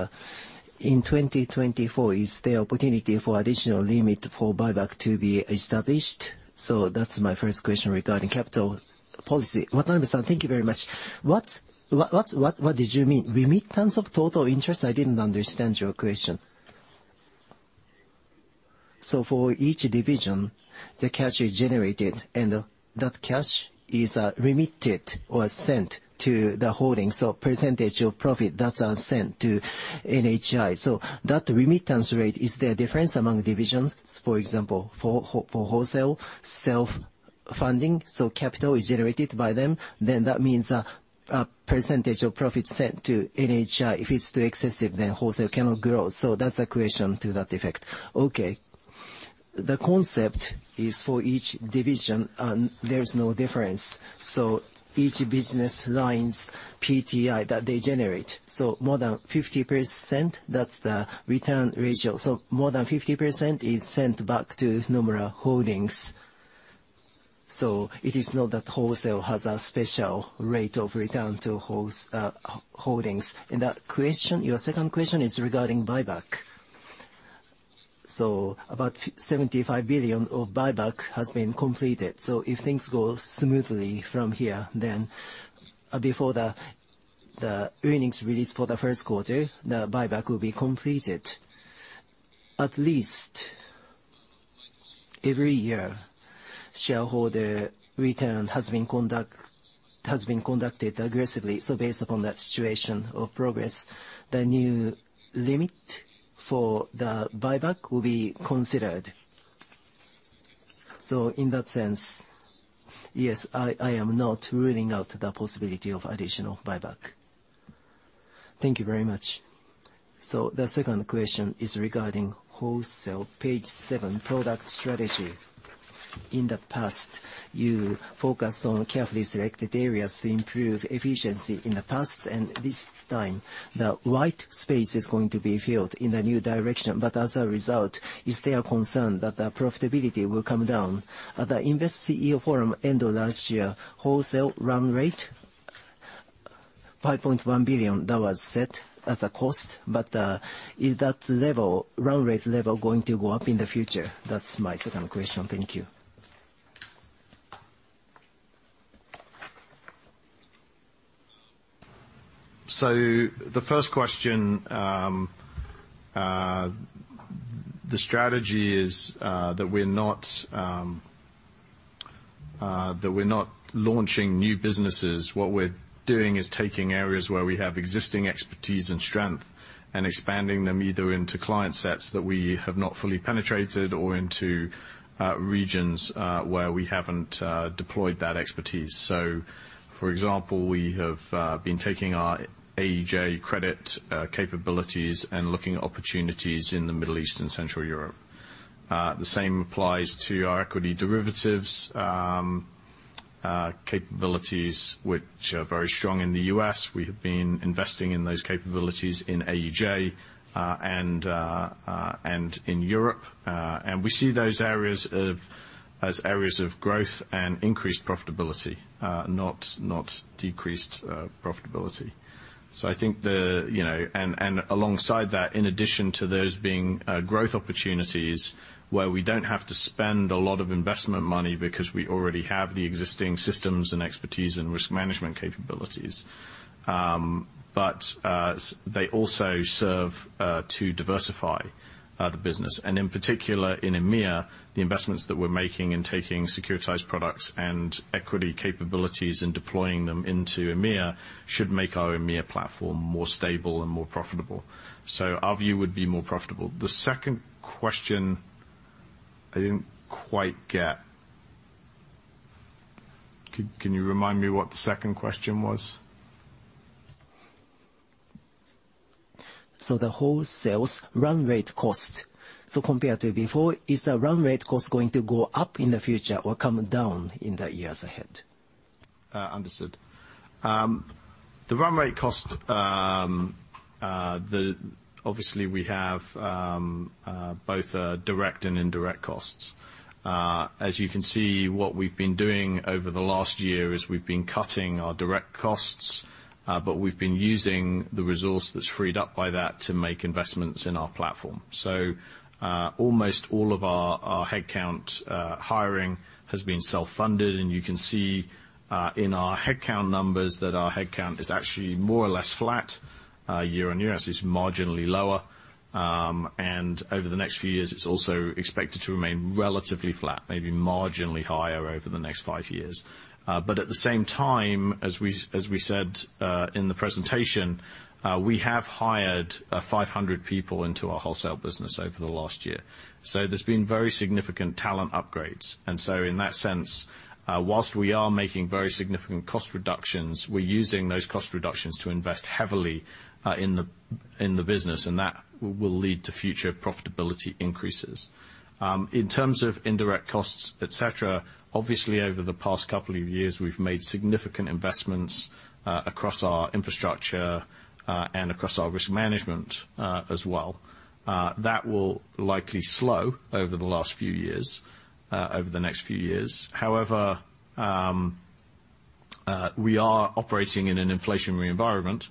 in 2024, is there opportunity for additional limit for buyback to be established? So that's my first question regarding capital policy. Watanabe-san, thank you very much. What did you mean? Remittance of total interest? I didn't understand your question. So for each division, the cash is generated, and that cash is remitted or sent to the Holdings. So percentage of profit that's sent to NHI. So that remittance rate, is there a difference among divisions? For example, for wholesale self-funding, so capital is generated by them, then that means a percentage of profit sent to NHI. If it's too excessive, then wholesale cannot grow. So that's a question to that effect. Okay. The concept is for each division, there's no difference. So each business lines PTI that they generate. So more than 50%, that's the return ratio. So more than 50% is sent back to Nomura Holdings. So it is not that wholesale has a special rate of return to Holdings. And your second question is regarding buyback. So about 75 billion of buyback has been completed. So if things go smoothly from here, then before the earnings release for the first quarter, the buyback will be completed. At least every year, shareholder return has been conducted aggressively. So based upon that situation of progress, the new limit for the buyback will be considered. So in that sense, yes, I am not ruling out the possibility of additional buyback. Thank you very much. So the second question is regarding Wholesale, page 7, product strategy. In the past, you focused on carefully selected areas to improve efficiency in the past. And this time, the white space is going to be filled in the new direction. But as a result, is there a concern that the profitability will come down? At the Investment Forum end of last year, Wholesale run rate 5.1 billion was set as a cost. But is that run rate level going to go up in the future? That's my second question. Thank you. So the first question, the strategy is that we're not launching new businesses. What we're doing is taking areas where we have existing expertise and strength and expanding them either into client sets that we have not fully penetrated or into regions where we haven't deployed that expertise. So, for example, we have been taking our AEJ Credit capabilities and looking at opportunities in the Middle East and Central Europe. The same applies to our equity derivatives capabilities, which are very strong in the U.S. We have been investing in those capabilities in AEJ and in Europe. And we see those areas as areas of growth and increased profitability, not decreased profitability. So I think, and alongside that, in addition to those being growth opportunities where we don't have to spend a lot of investment money because we already have the existing systems and expertise and risk management capabilities, but they also serve to diversify the business. And in particular, in EMEA, the investments that we're making in taking Securitized Products and equity capabilities and deploying them into EMEA should make our EMEA platform more stable and more profitable. So our view would be more profitable. The second question, I didn't quite get. Can you remind me what the second question was? So the Wholesale's run rate cost. So compared to before, is the run rate cost going to go up in the future or come down in the years ahead? Understood. The run rate cost, obviously, we have both direct and indirect costs. As you can see, what we've been doing over the last year is we've been cutting our direct costs, but we've been using the resource that's freed up by that to make investments in our platform. Almost all of our headcount hiring has been self-funded. You can see in our headcount numbers that our headcount is actually more or less flat year-on-year. It's marginally lower. Over the next few years, it's also expected to remain relatively flat, maybe marginally higher over the next five years. At the same time, as we said in the presentation, we have hired 500 people into our wholesale business over the last year. There's been very significant talent upgrades. So in that sense, while we are making very significant cost reductions, we're using those cost reductions to invest heavily in the business. That will lead to future profitability increases. In terms of indirect costs, etc., obviously, over the past couple of years, we've made significant investments across our infrastructure and across our risk management as well. That will likely slow over the last few years, over the next few years. However, we are operating in an inflationary environment,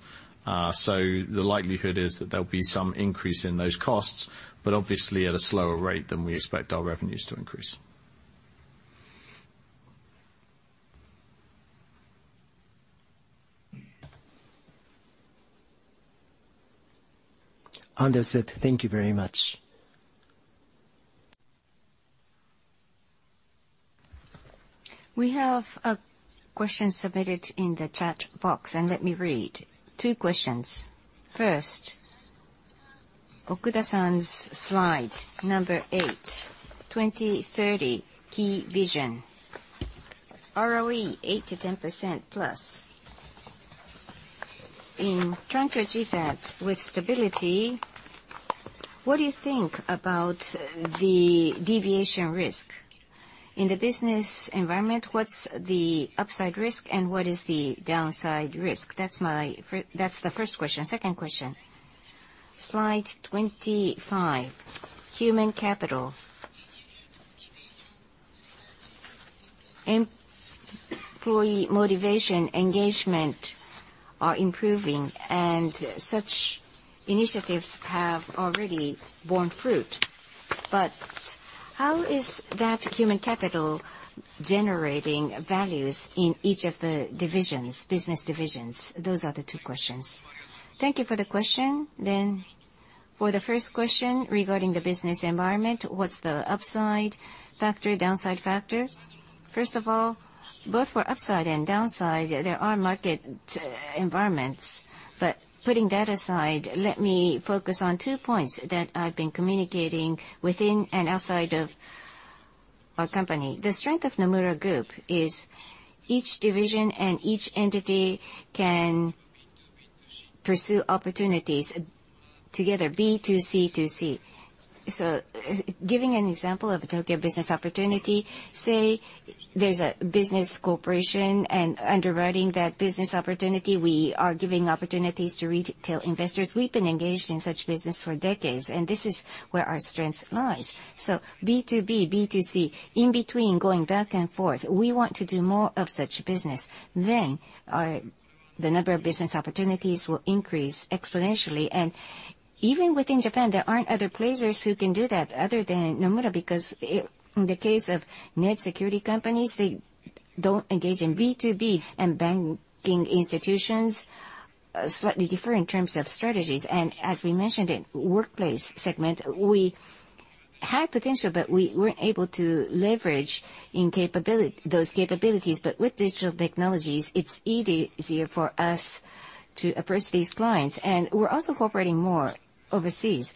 so the likelihood is that there'll be some increase in those costs, but obviously at a slower rate than we expect our revenues to increase. Understood. Thank you very much. We have a question submitted in the chat box, and let me read. Two questions. First, Okuda-san's slide number 8, 2030 key vision, ROE 8%-10%+. In trying to achieve that with stability, what do you think about the deviation risk? In the business environment, what's the upside risk, and what is the downside risk? That's the first question. Second question, slide 25, human capital. Employee motivation, engagement are improving, and such initiatives have already borne fruit. But how is that human capital generating values in each of the business divisions? Those are the two questions. Thank you for the question. Then for the first question regarding the business environment, what's the upside factor, downside factor? First of all, both for upside and downside, there are market environments. But putting that aside, let me focus on two points that I've been communicating within and outside of our company. The strength of Nomura Group is each division and each entity can pursue opportunities together, B2C2C. So giving an example of a Tokyo business opportunity, say there's a business corporation and underwriting that business opportunity, we are giving opportunities to retail investors. We've been engaged in such business for decades, and this is where our strengths lies. So B to B, B to C, in between, going back and forth, we want to do more of such business. Then the number of business opportunities will increase exponentially. And even within Japan, there aren't other places who can do that other than Nomura because in the case of net securities companies, they don't engage in B to B. And banking institutions slightly differ in terms of strategies. As we mentioned in the workplace segment, we had potential, but we weren't able to leverage those capabilities. But with digital technologies, it's easier for us to approach these clients. And we're also cooperating more overseas.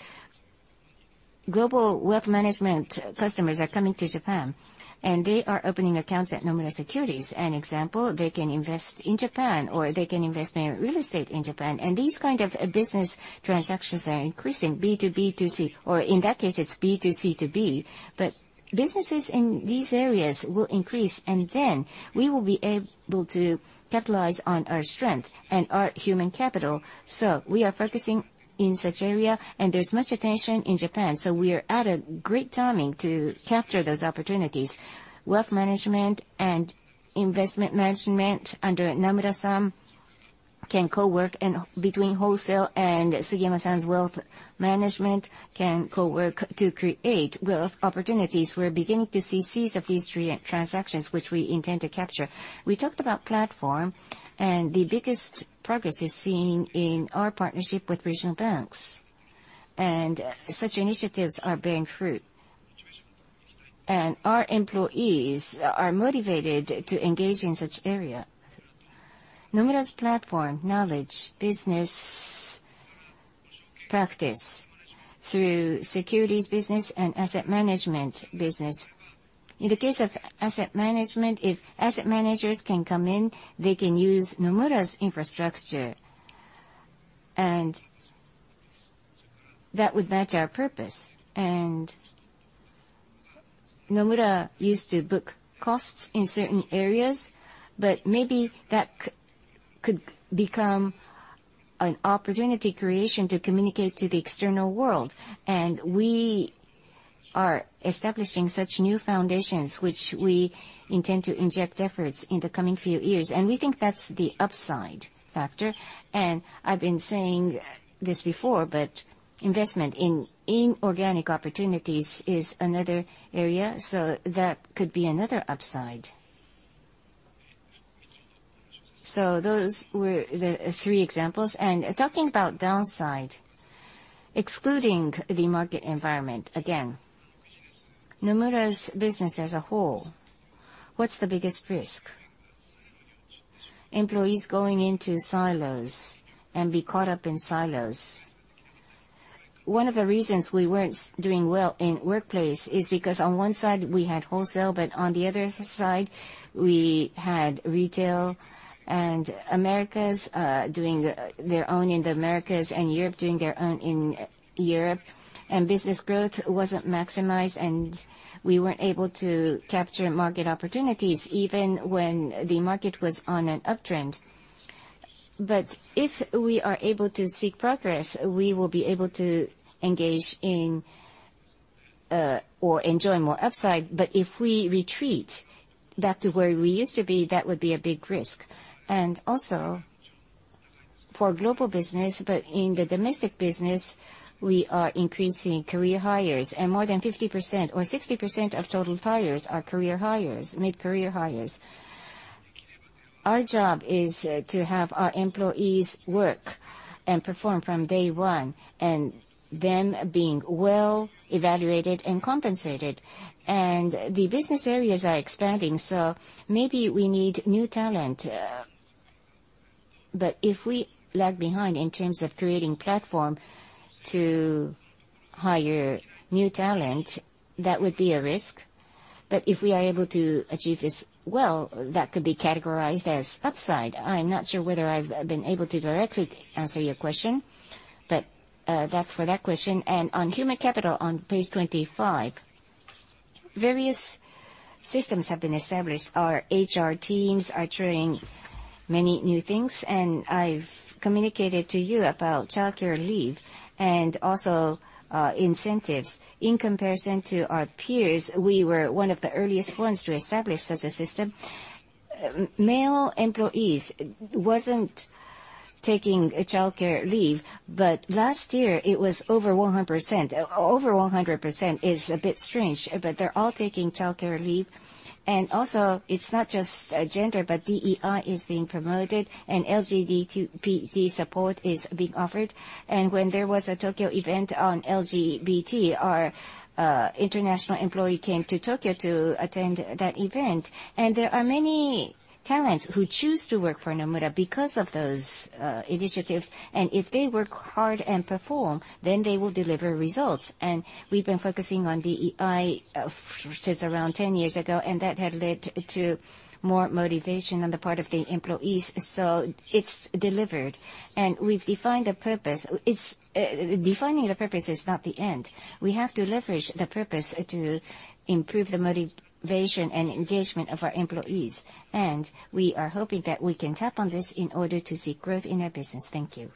Global wealth management customers are coming to Japan, and they are opening accounts at Nomura Securities. An example, they can invest in Japan, or they can invest in real estate in Japan. And these kinds of business transactions are increasing, B2B2C. Or in that case, it's B2C2B. But businesses in these areas will increase, and then we will be able to capitalize on our strength and our human capital. So we are focusing in such area, and there's much attention in Japan. So we are at a great timing to capture those opportunities. Wealth management and investment management under Nakamura-san can co-work, and between wholesale and Sugiyama-san's wealth management can co-work to create wealth opportunities. We're beginning to see seeds of these transactions, which we intend to capture. We talked about platform, and the biggest progress is seen in our partnership with regional banks. Such initiatives are bearing fruit. Our employees are motivated to engage in such area. Nomura's platform, knowledge, business practice through securities business and asset management business. In the case of asset management, if asset managers can come in, they can use Nomura's infrastructure. That would match our purpose. Nomura used to book costs in certain areas, but maybe that could become an opportunity creation to communicate to the external world. We are establishing such new foundations, which we intend to inject efforts in the coming few years. We think that's the upside factor. I've been saying this before, but investment in inorganic opportunities is another area. So that could be another upside. So those were the three examples. Talking about downside, excluding the market environment, again, Nomura's business as a whole, what's the biggest risk? Employees going into silos and be caught up in silos. One of the reasons we weren't doing well in the workplace is because on one side, we had wholesale, but on the other side, we had retail and Americas doing their own in the Americas and Europe doing their own in Europe. Business growth wasn't maximized, and we weren't able to capture market opportunities even when the market was on an uptrend. But if we are able to seek progress, we will be able to engage in or enjoy more upside. But if we retreat back to where we used to be, that would be a big risk. And also, for global business, but in the domestic business, we are increasing career hires. And more than 50% or 60% of total hires are career hires, mid-career hires. Our job is to have our employees work and perform from day one and them being well evaluated and compensated. And the business areas are expanding, so maybe we need new talent. But if we lag behind in terms of creating a platform to hire new talent, that would be a risk. But if we are able to achieve this well, that could be categorized as upside. I'm not sure whether I've been able to directly answer your question, but that's for that question. And on human capital, on page 25, various systems have been established. Our HR teams are training many new things. I've communicated to you about childcare leave and also incentives. In comparison to our peers, we were one of the earliest ones to establish such a system. Male employees weren't taking childcare leave, but last year, it was over 100%. Over 100% is a bit strange, but they're all taking childcare leave. It's not just gender, but DEI is being promoted, and LGBT support is being offered. When there was a Tokyo event on LGBT, our international employee came to Tokyo to attend that event. There are many talents who choose to work for Nomura because of those initiatives. If they work hard and perform, then they will deliver results. We've been focusing on DEI since around 10 years ago, and that had led to more motivation on the part of the employees. So it's delivered. We've defined the purpose. Defining the purpose is not the end. We have to leverage the purpose to improve the motivation and engagement of our employees. We are hoping that we can tap on this in order to see growth in our business. Thank you.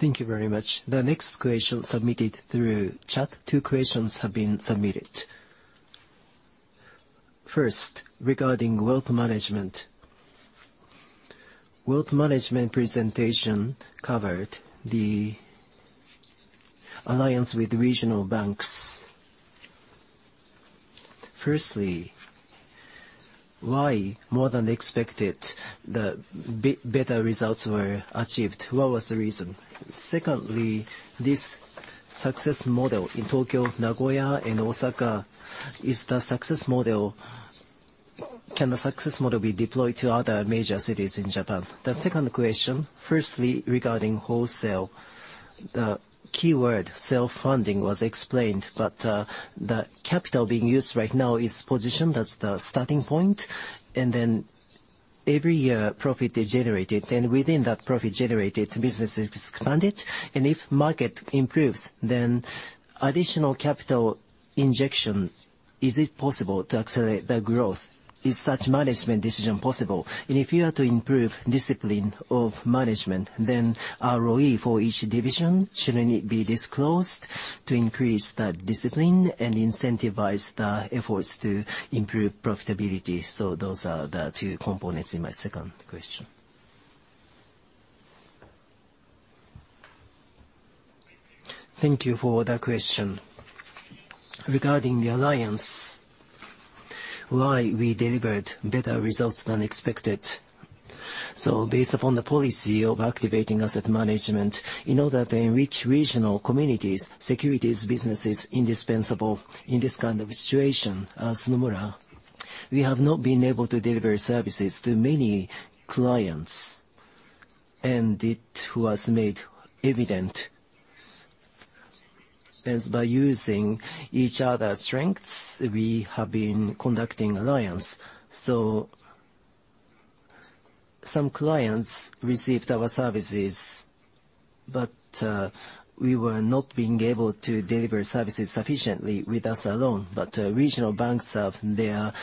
Thank you very much. The next question submitted through chat, two questions have been submitted. First, regarding Wealth Management. Wealth Management presentation covered the alliance with regional banks. Firstly, why, more than expected, the better results were achieved? What was the reason? Secondly, this success model in Tokyo, Nagoya, and Osaka, can the success model be deployed to other major cities in Japan? The second question, firstly, regarding Wholesale, the keyword self-funding was explained, but the capital being used right now is positioned. That's the starting point. And then every year, profit is generated. And within that profit generated, businesses expanded. And if market improves, then additional capital injection, is it possible to accelerate the growth? Is such management decision possible? And if you have to improve discipline of management, then ROE for each division, shouldn't it be disclosed to increase the discipline and incentivize the efforts to improve profitability? Those are the two components in my second question. Thank you for that question. Regarding the alliance, why we delivered better results than expected. Based upon the policy of activating asset management, in order to enrich regional communities, securities business is indispensable. In this kind of situation, as Nomura, we have not been able to deliver services to many clients. It was made evident. By using each other's strengths, we have been conducting alliances. Some clients received our services, but we were not being able to deliver services sufficiently with us alone. Regional banks have their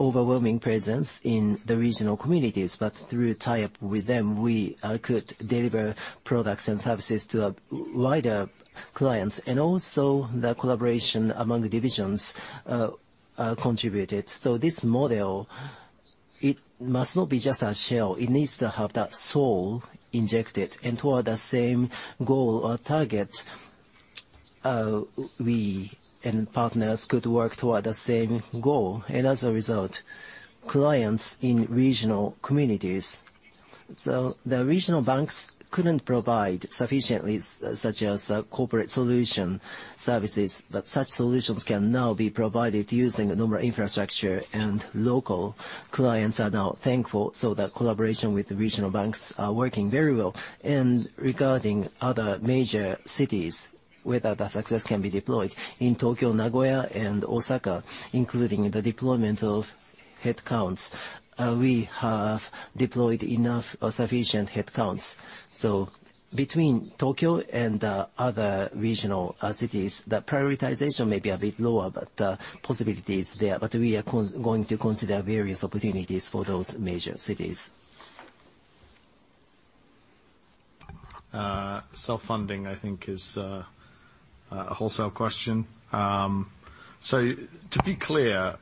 overwhelming presence in the regional communities. Through tie-up with them, we could deliver products and services to wider clients. Also, the collaboration among divisions contributed. This model, it must not be just a shell. It needs to have that soul injected and toward the same goal or target. We and partners could work toward the same goal. And as a result, clients in regional communities. So the regional banks couldn't provide sufficiently, such as corporate solution services, but such solutions can now be provided using Nomura infrastructure. And local clients are now thankful. So the collaboration with the regional banks is working very well. And regarding other major cities, whether the success can be deployed in Tokyo, Nagoya, and Osaka, including the deployment of headcounts, we have deployed enough or sufficient headcounts. So between Tokyo and other regional cities, the prioritization may be a bit lower, but the possibility is there. But we are going to consider various opportunities for those major cities. Self-funding, I think, is a wholesale question. To be clear,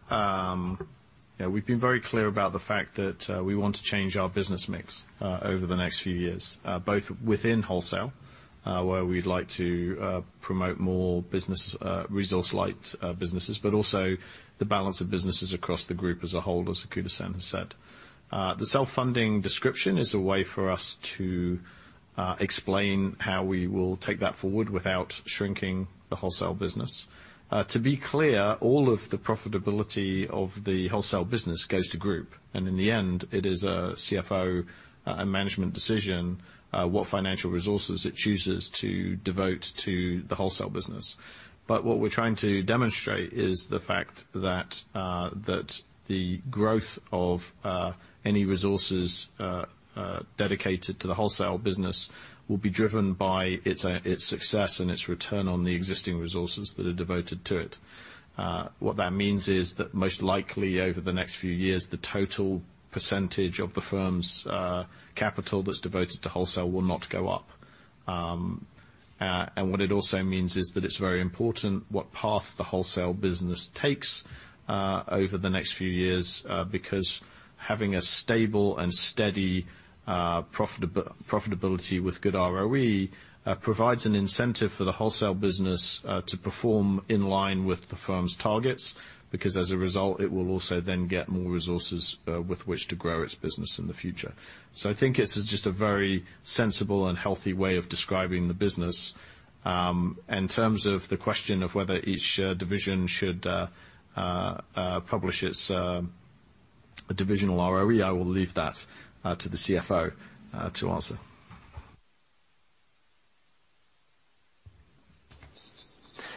we've been very clear about the fact that we want to change our business mix over the next few years, both within wholesale, where we'd like to promote more resource-light businesses, but also the balance of businesses across the group as a whole, as Okuda-san has said. The self-funding description is a way for us to explain how we will take that forward without shrinking the wholesale business. To be clear, all of the profitability of the wholesale business goes to the group. In the end, it is a CFO and management decision what financial resources it chooses to devote to the wholesale business. But what we're trying to demonstrate is the fact that the growth of any resources dedicated to the wholesale business will be driven by its success and its return on the existing resources that are devoted to it. What that means is that most likely, over the next few years, the total percentage of the firm's capital that's devoted to wholesale will not go up. And what it also means is that it's very important what path the wholesale business takes over the next few years because having a stable and steady profitability with good ROE provides an incentive for the wholesale business to perform in line with the firm's targets because, as a result, it will also then get more resources with which to grow its business in the future. So I think this is just a very sensible and healthy way of describing the business. In terms of the question of whether each division should publish its divisional ROE, I will leave that to the CFO to answer.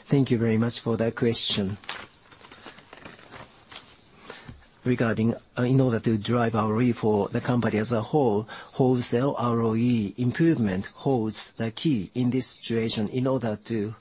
Thank you very much for that question. In order to drive ROE for the company as a whole, wholesale ROE improvement holds the key in this situation. In order to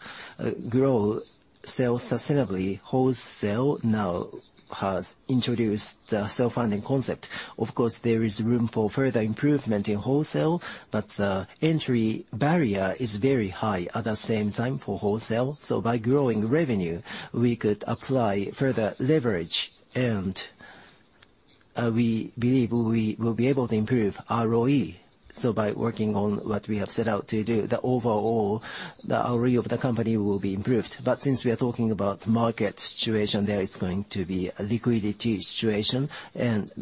grow sales sustainably, wholesale now has introduced the self-funding concept. Of course, there is room for further improvement in wholesale, but the entry barrier is very high at the same time for wholesale. So by growing revenue, we could apply further leverage, and we believe we will be able to improve ROE. So by working on what we have set out to do, the overall ROE of the company will be improved. But since we are talking about the market situation there, it's going to be a liquidity situation, and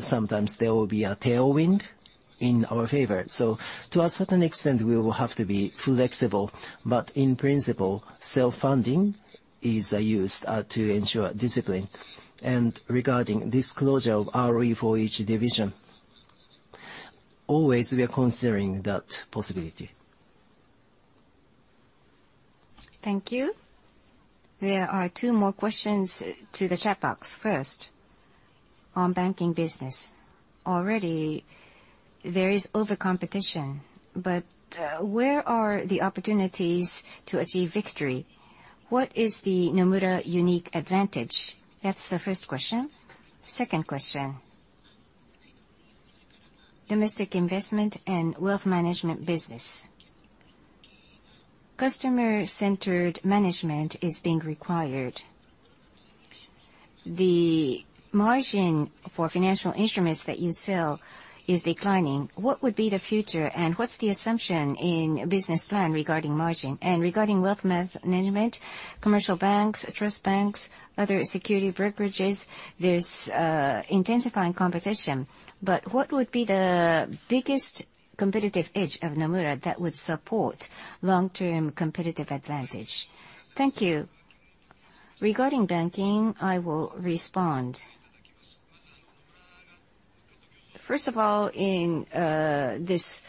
sometimes there will be a tailwind in our favor. So to a certain extent, we will have to be flexible. But in principle, self-funding is used to ensure discipline. Regarding disclosure of ROE for each division, always we are considering that possibility. Thank you. There are two more questions to the chat box. First, on banking business. Already, there is over-competition, but where are the opportunities to achieve victory? What is the Nomura unique advantage? That's the first question. Second question. Domestic investment and wealth management business. Customer-centered management is being required. The margin for financial instruments that you sell is declining. What would be the future, and what's the assumption in the business plan regarding margin? And regarding wealth management, commercial banks, trust banks, other security brokerages, there's intensifying competition. But what would be the biggest competitive edge of Nomura that would support long-term competitive advantage? Thank you. Regarding banking, I will respond. First of all, in this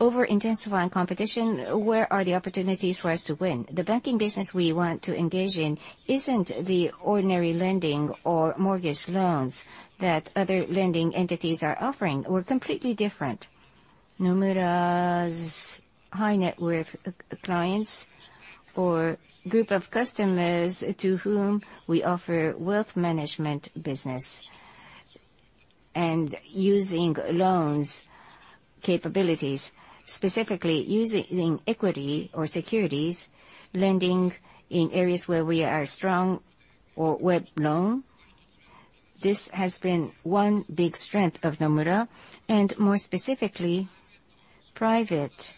over-intensifying competition, where are the opportunities for us to win? The banking business we want to engage in isn't the ordinary lending or mortgage loans that other lending entities are offering. We're completely different. Nomura's high-net-worth clients or group of customers to whom we offer wealth management business and using loans capabilities, specifically using equity or securities lending in areas where we are strong or wealth loan. This has been one big strength of Nomura. And more specifically, private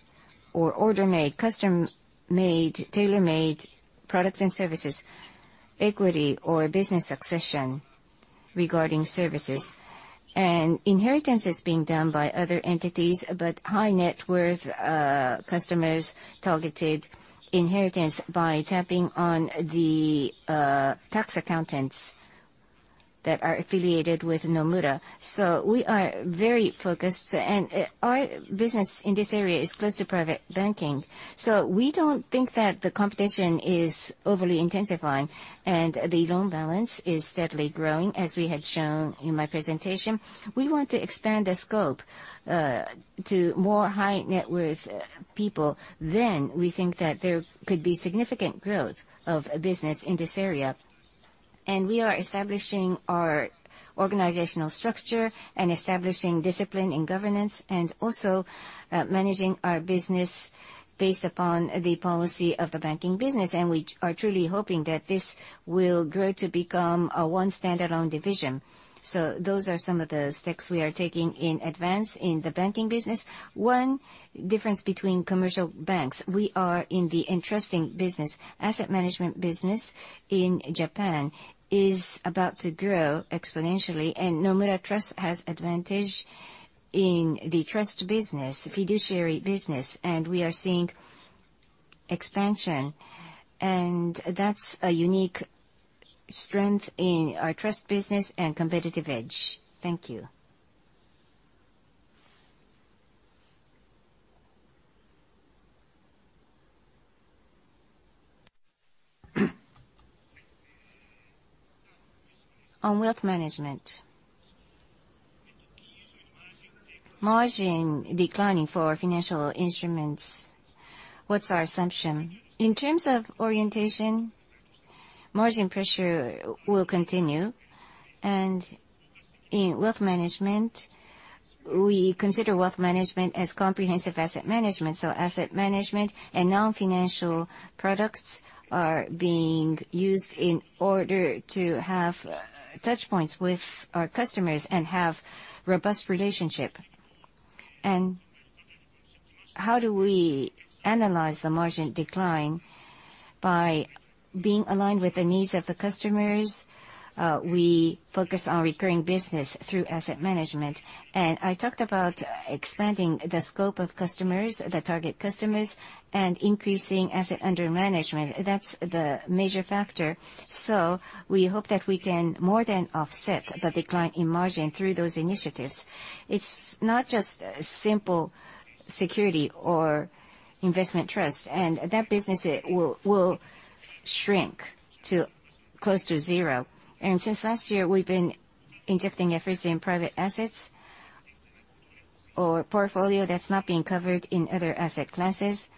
order-made, custom-made, tailor-made products and services, equity or business succession regarding services, and inheritances being done by other entities but high-net-worth customers targeted inheritance by tapping on the tax accountants that are affiliated with Nomura. So we are very focused, and our business in this area is close to private banking. So we don't think that the competition is overly intensifying, and the loan balance is steadily growing, as we had shown in my presentation. We want to expand the scope to more high-net-worth people. We think that there could be significant growth of business in this area. We are establishing our organizational structure and establishing discipline in governance and also managing our business based upon the policy of the banking business. We are truly hoping that this will grow to become a one-standalone division. So those are some of the steps we are taking in advance in the banking business. One difference between commercial banks: we are in the interesting business. Asset management business in Japan is about to grow exponentially, and Nomura Trust has advantage in the trust business, fiduciary business, and we are seeing expansion. And that's a unique strength in our trust business and competitive edge. Thank you. On wealth management. Margin declining for financial instruments. What's our assumption? In terms of orientation, margin pressure will continue. In wealth management, we consider wealth management as comprehensive asset management. So asset management and non-financial products are being used in order to have touchpoints with our customers and have robust relationships. How do we analyze the margin decline? By being aligned with the needs of the customers, we focus on recurring business through asset management. I talked about expanding the scope of customers, the target customers, and increasing asset under management. That's the major factor. We hope that we can more than offset the decline in margin through those initiatives. It's not just simple security or investment trust. That business will shrink to close to zero. Since last year, we've been injecting efforts in private assets or portfolio that's not being covered in other asset classes.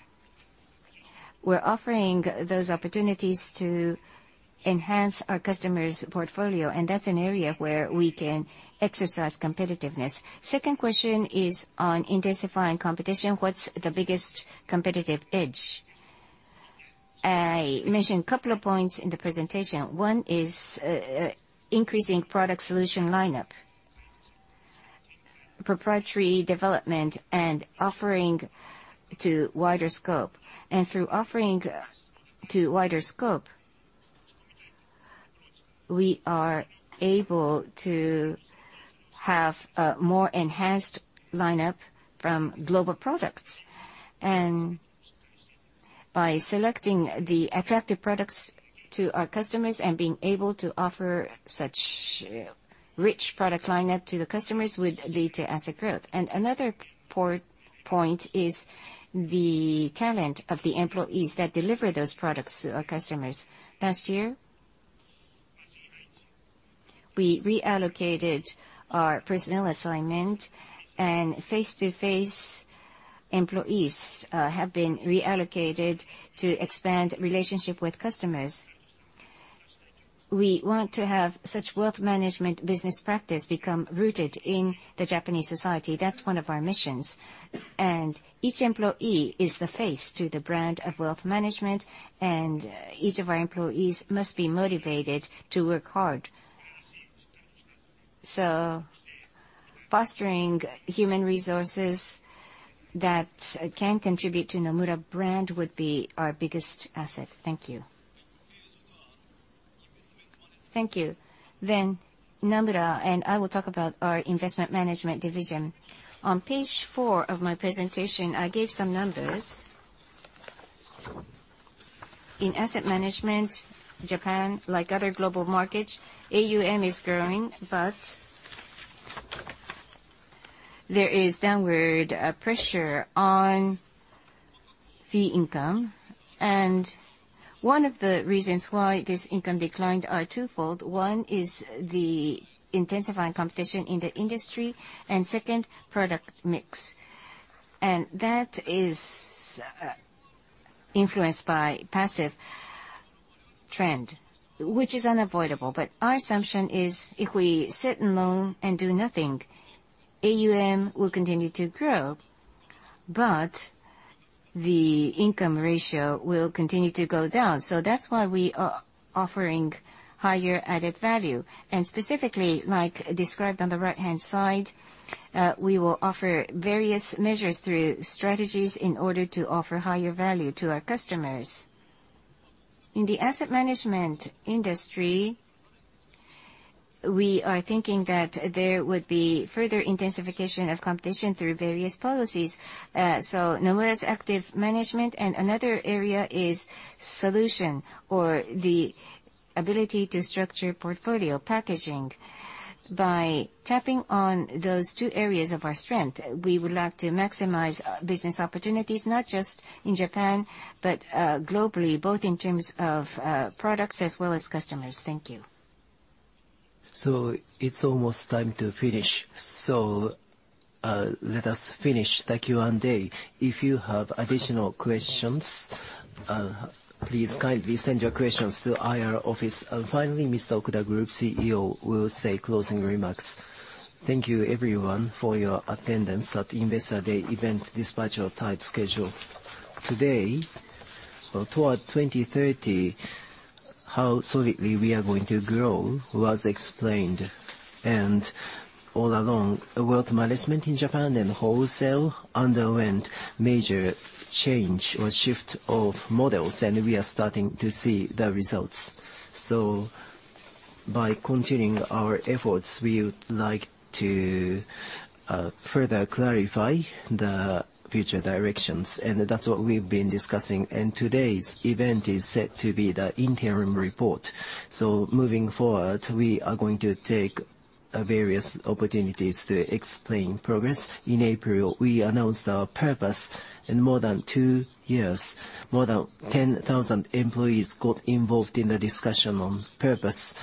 We're offering those opportunities to enhance our customers' portfolio, and that's an area where we can exercise competitiveness. Second question is on intensifying competition. What's the biggest competitive edge? I mentioned a couple of points in the presentation. One is increasing product solution lineup, proprietary development, and offering to wider scope. Through offering to wider scope, we are able to have a more enhanced lineup from global products. By selecting the attractive products to our customers and being able to offer such rich product lineup to the customers would lead to asset growth. Another point is the talent of the employees that deliver those products to our customers. Last year, we reallocated our personnel assignment, and face-to-face employees have been reallocated to expand relationships with customers. We want to have such wealth management business practice become rooted in the Japanese society. That's one of our missions. Each employee is the face to the brand of wealth management, and each of our employees must be motivated to work hard. So fostering human resources that can contribute to Nomura brand would be our biggest asset. Thank you. Thank you. Then Nomura, and I will talk about our Investment Management Division. On page 4 of my presentation, I gave some numbers. In asset management, Japan, like other Global Markets, AUM is growing, but there is downward pressure on fee income. And one of the reasons why this income declined is twofold. One is the intensifying competition in the industry, and second, product mix. And that is influenced by passive trend, which is unavoidable. But our assumption is if we sit alone and do nothing, AUM will continue to grow, but the income ratio will continue to go down. So that's why we are offering higher added value. And specifically, like described on the right-hand side, we will offer various measures through strategies in order to offer higher value to our customers. In the asset management industry, we are thinking that there would be further intensification of competition through various policies. So Nomura's active management, and another area is solution or the ability to structure portfolio packaging. By tapping on those two areas of our strength, we would like to maximize business opportunities not just in Japan but globally, both in terms of products as well as customers. Thank you. It's almost time to finish. Let us finish. Thank you, Ando. If you have additional questions, please kindly send your questions to our office. Finally, Mr. Okuda, Group CEO, will say closing remarks. Thank you, everyone, for your attendance at the Investor Day event despite our tight schedule. Today, toward 2030, how solidly we are going to grow was explained. All along, wealth management in Japan and wholesale underwent major change or shift of models, and we are starting to see the results. By continuing our efforts, we would like to further clarify the future directions. That's what we've been discussing. Today's event is set to be the interim report. Moving forward, we are going to take various opportunities to explain progress. In April, we announced our purpose. In more than two years, more than 10,000 employees got involved in the discussion on purpose.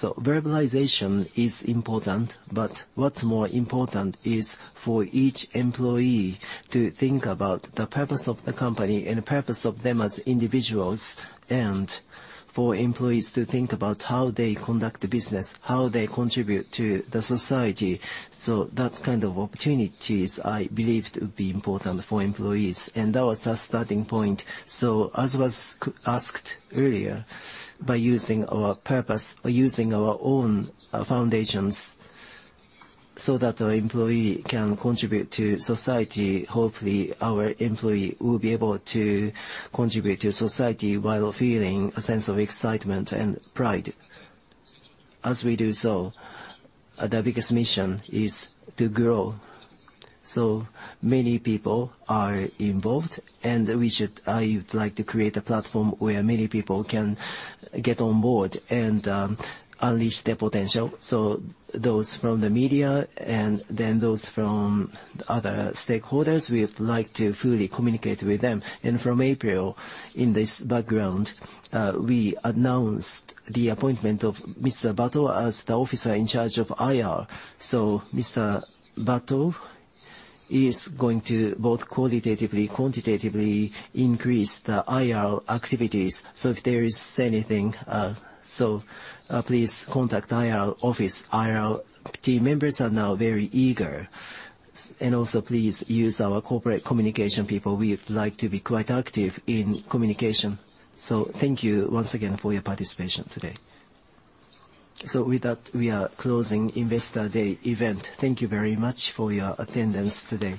So verbalization is important, but what's more important is for each employee to think about the purpose of the company and the purpose of them as individuals, and for employees to think about how they conduct business, how they contribute to the society. So that kind of opportunities, I believe, would be important for employees. And that was our starting point. So as was asked earlier, by using our purpose or using our own foundations so that our employee can contribute to society, hopefully, our employee will be able to contribute to society while feeling a sense of excitement and pride. As we do so, the biggest mission is to grow. So many people are involved, and I would like to create a platform where many people can get on board and unleash their potential. So those from the media and then those from other stakeholders, we would like to fully communicate with them. And from April, in this background, we announced the appointment of Mr.Ando as the officer in charge of IR. So Mr. Ando is going to both qualitatively, quantitatively increase the IR activities. So if there is anything, so please contact IR office. IR team members are now very eager. And also, please use our corporate communication people. We would like to be quite active in communication. So thank you once again for your participation today. So with that, we are closing Investor Day event. Thank you very much for your attendance today.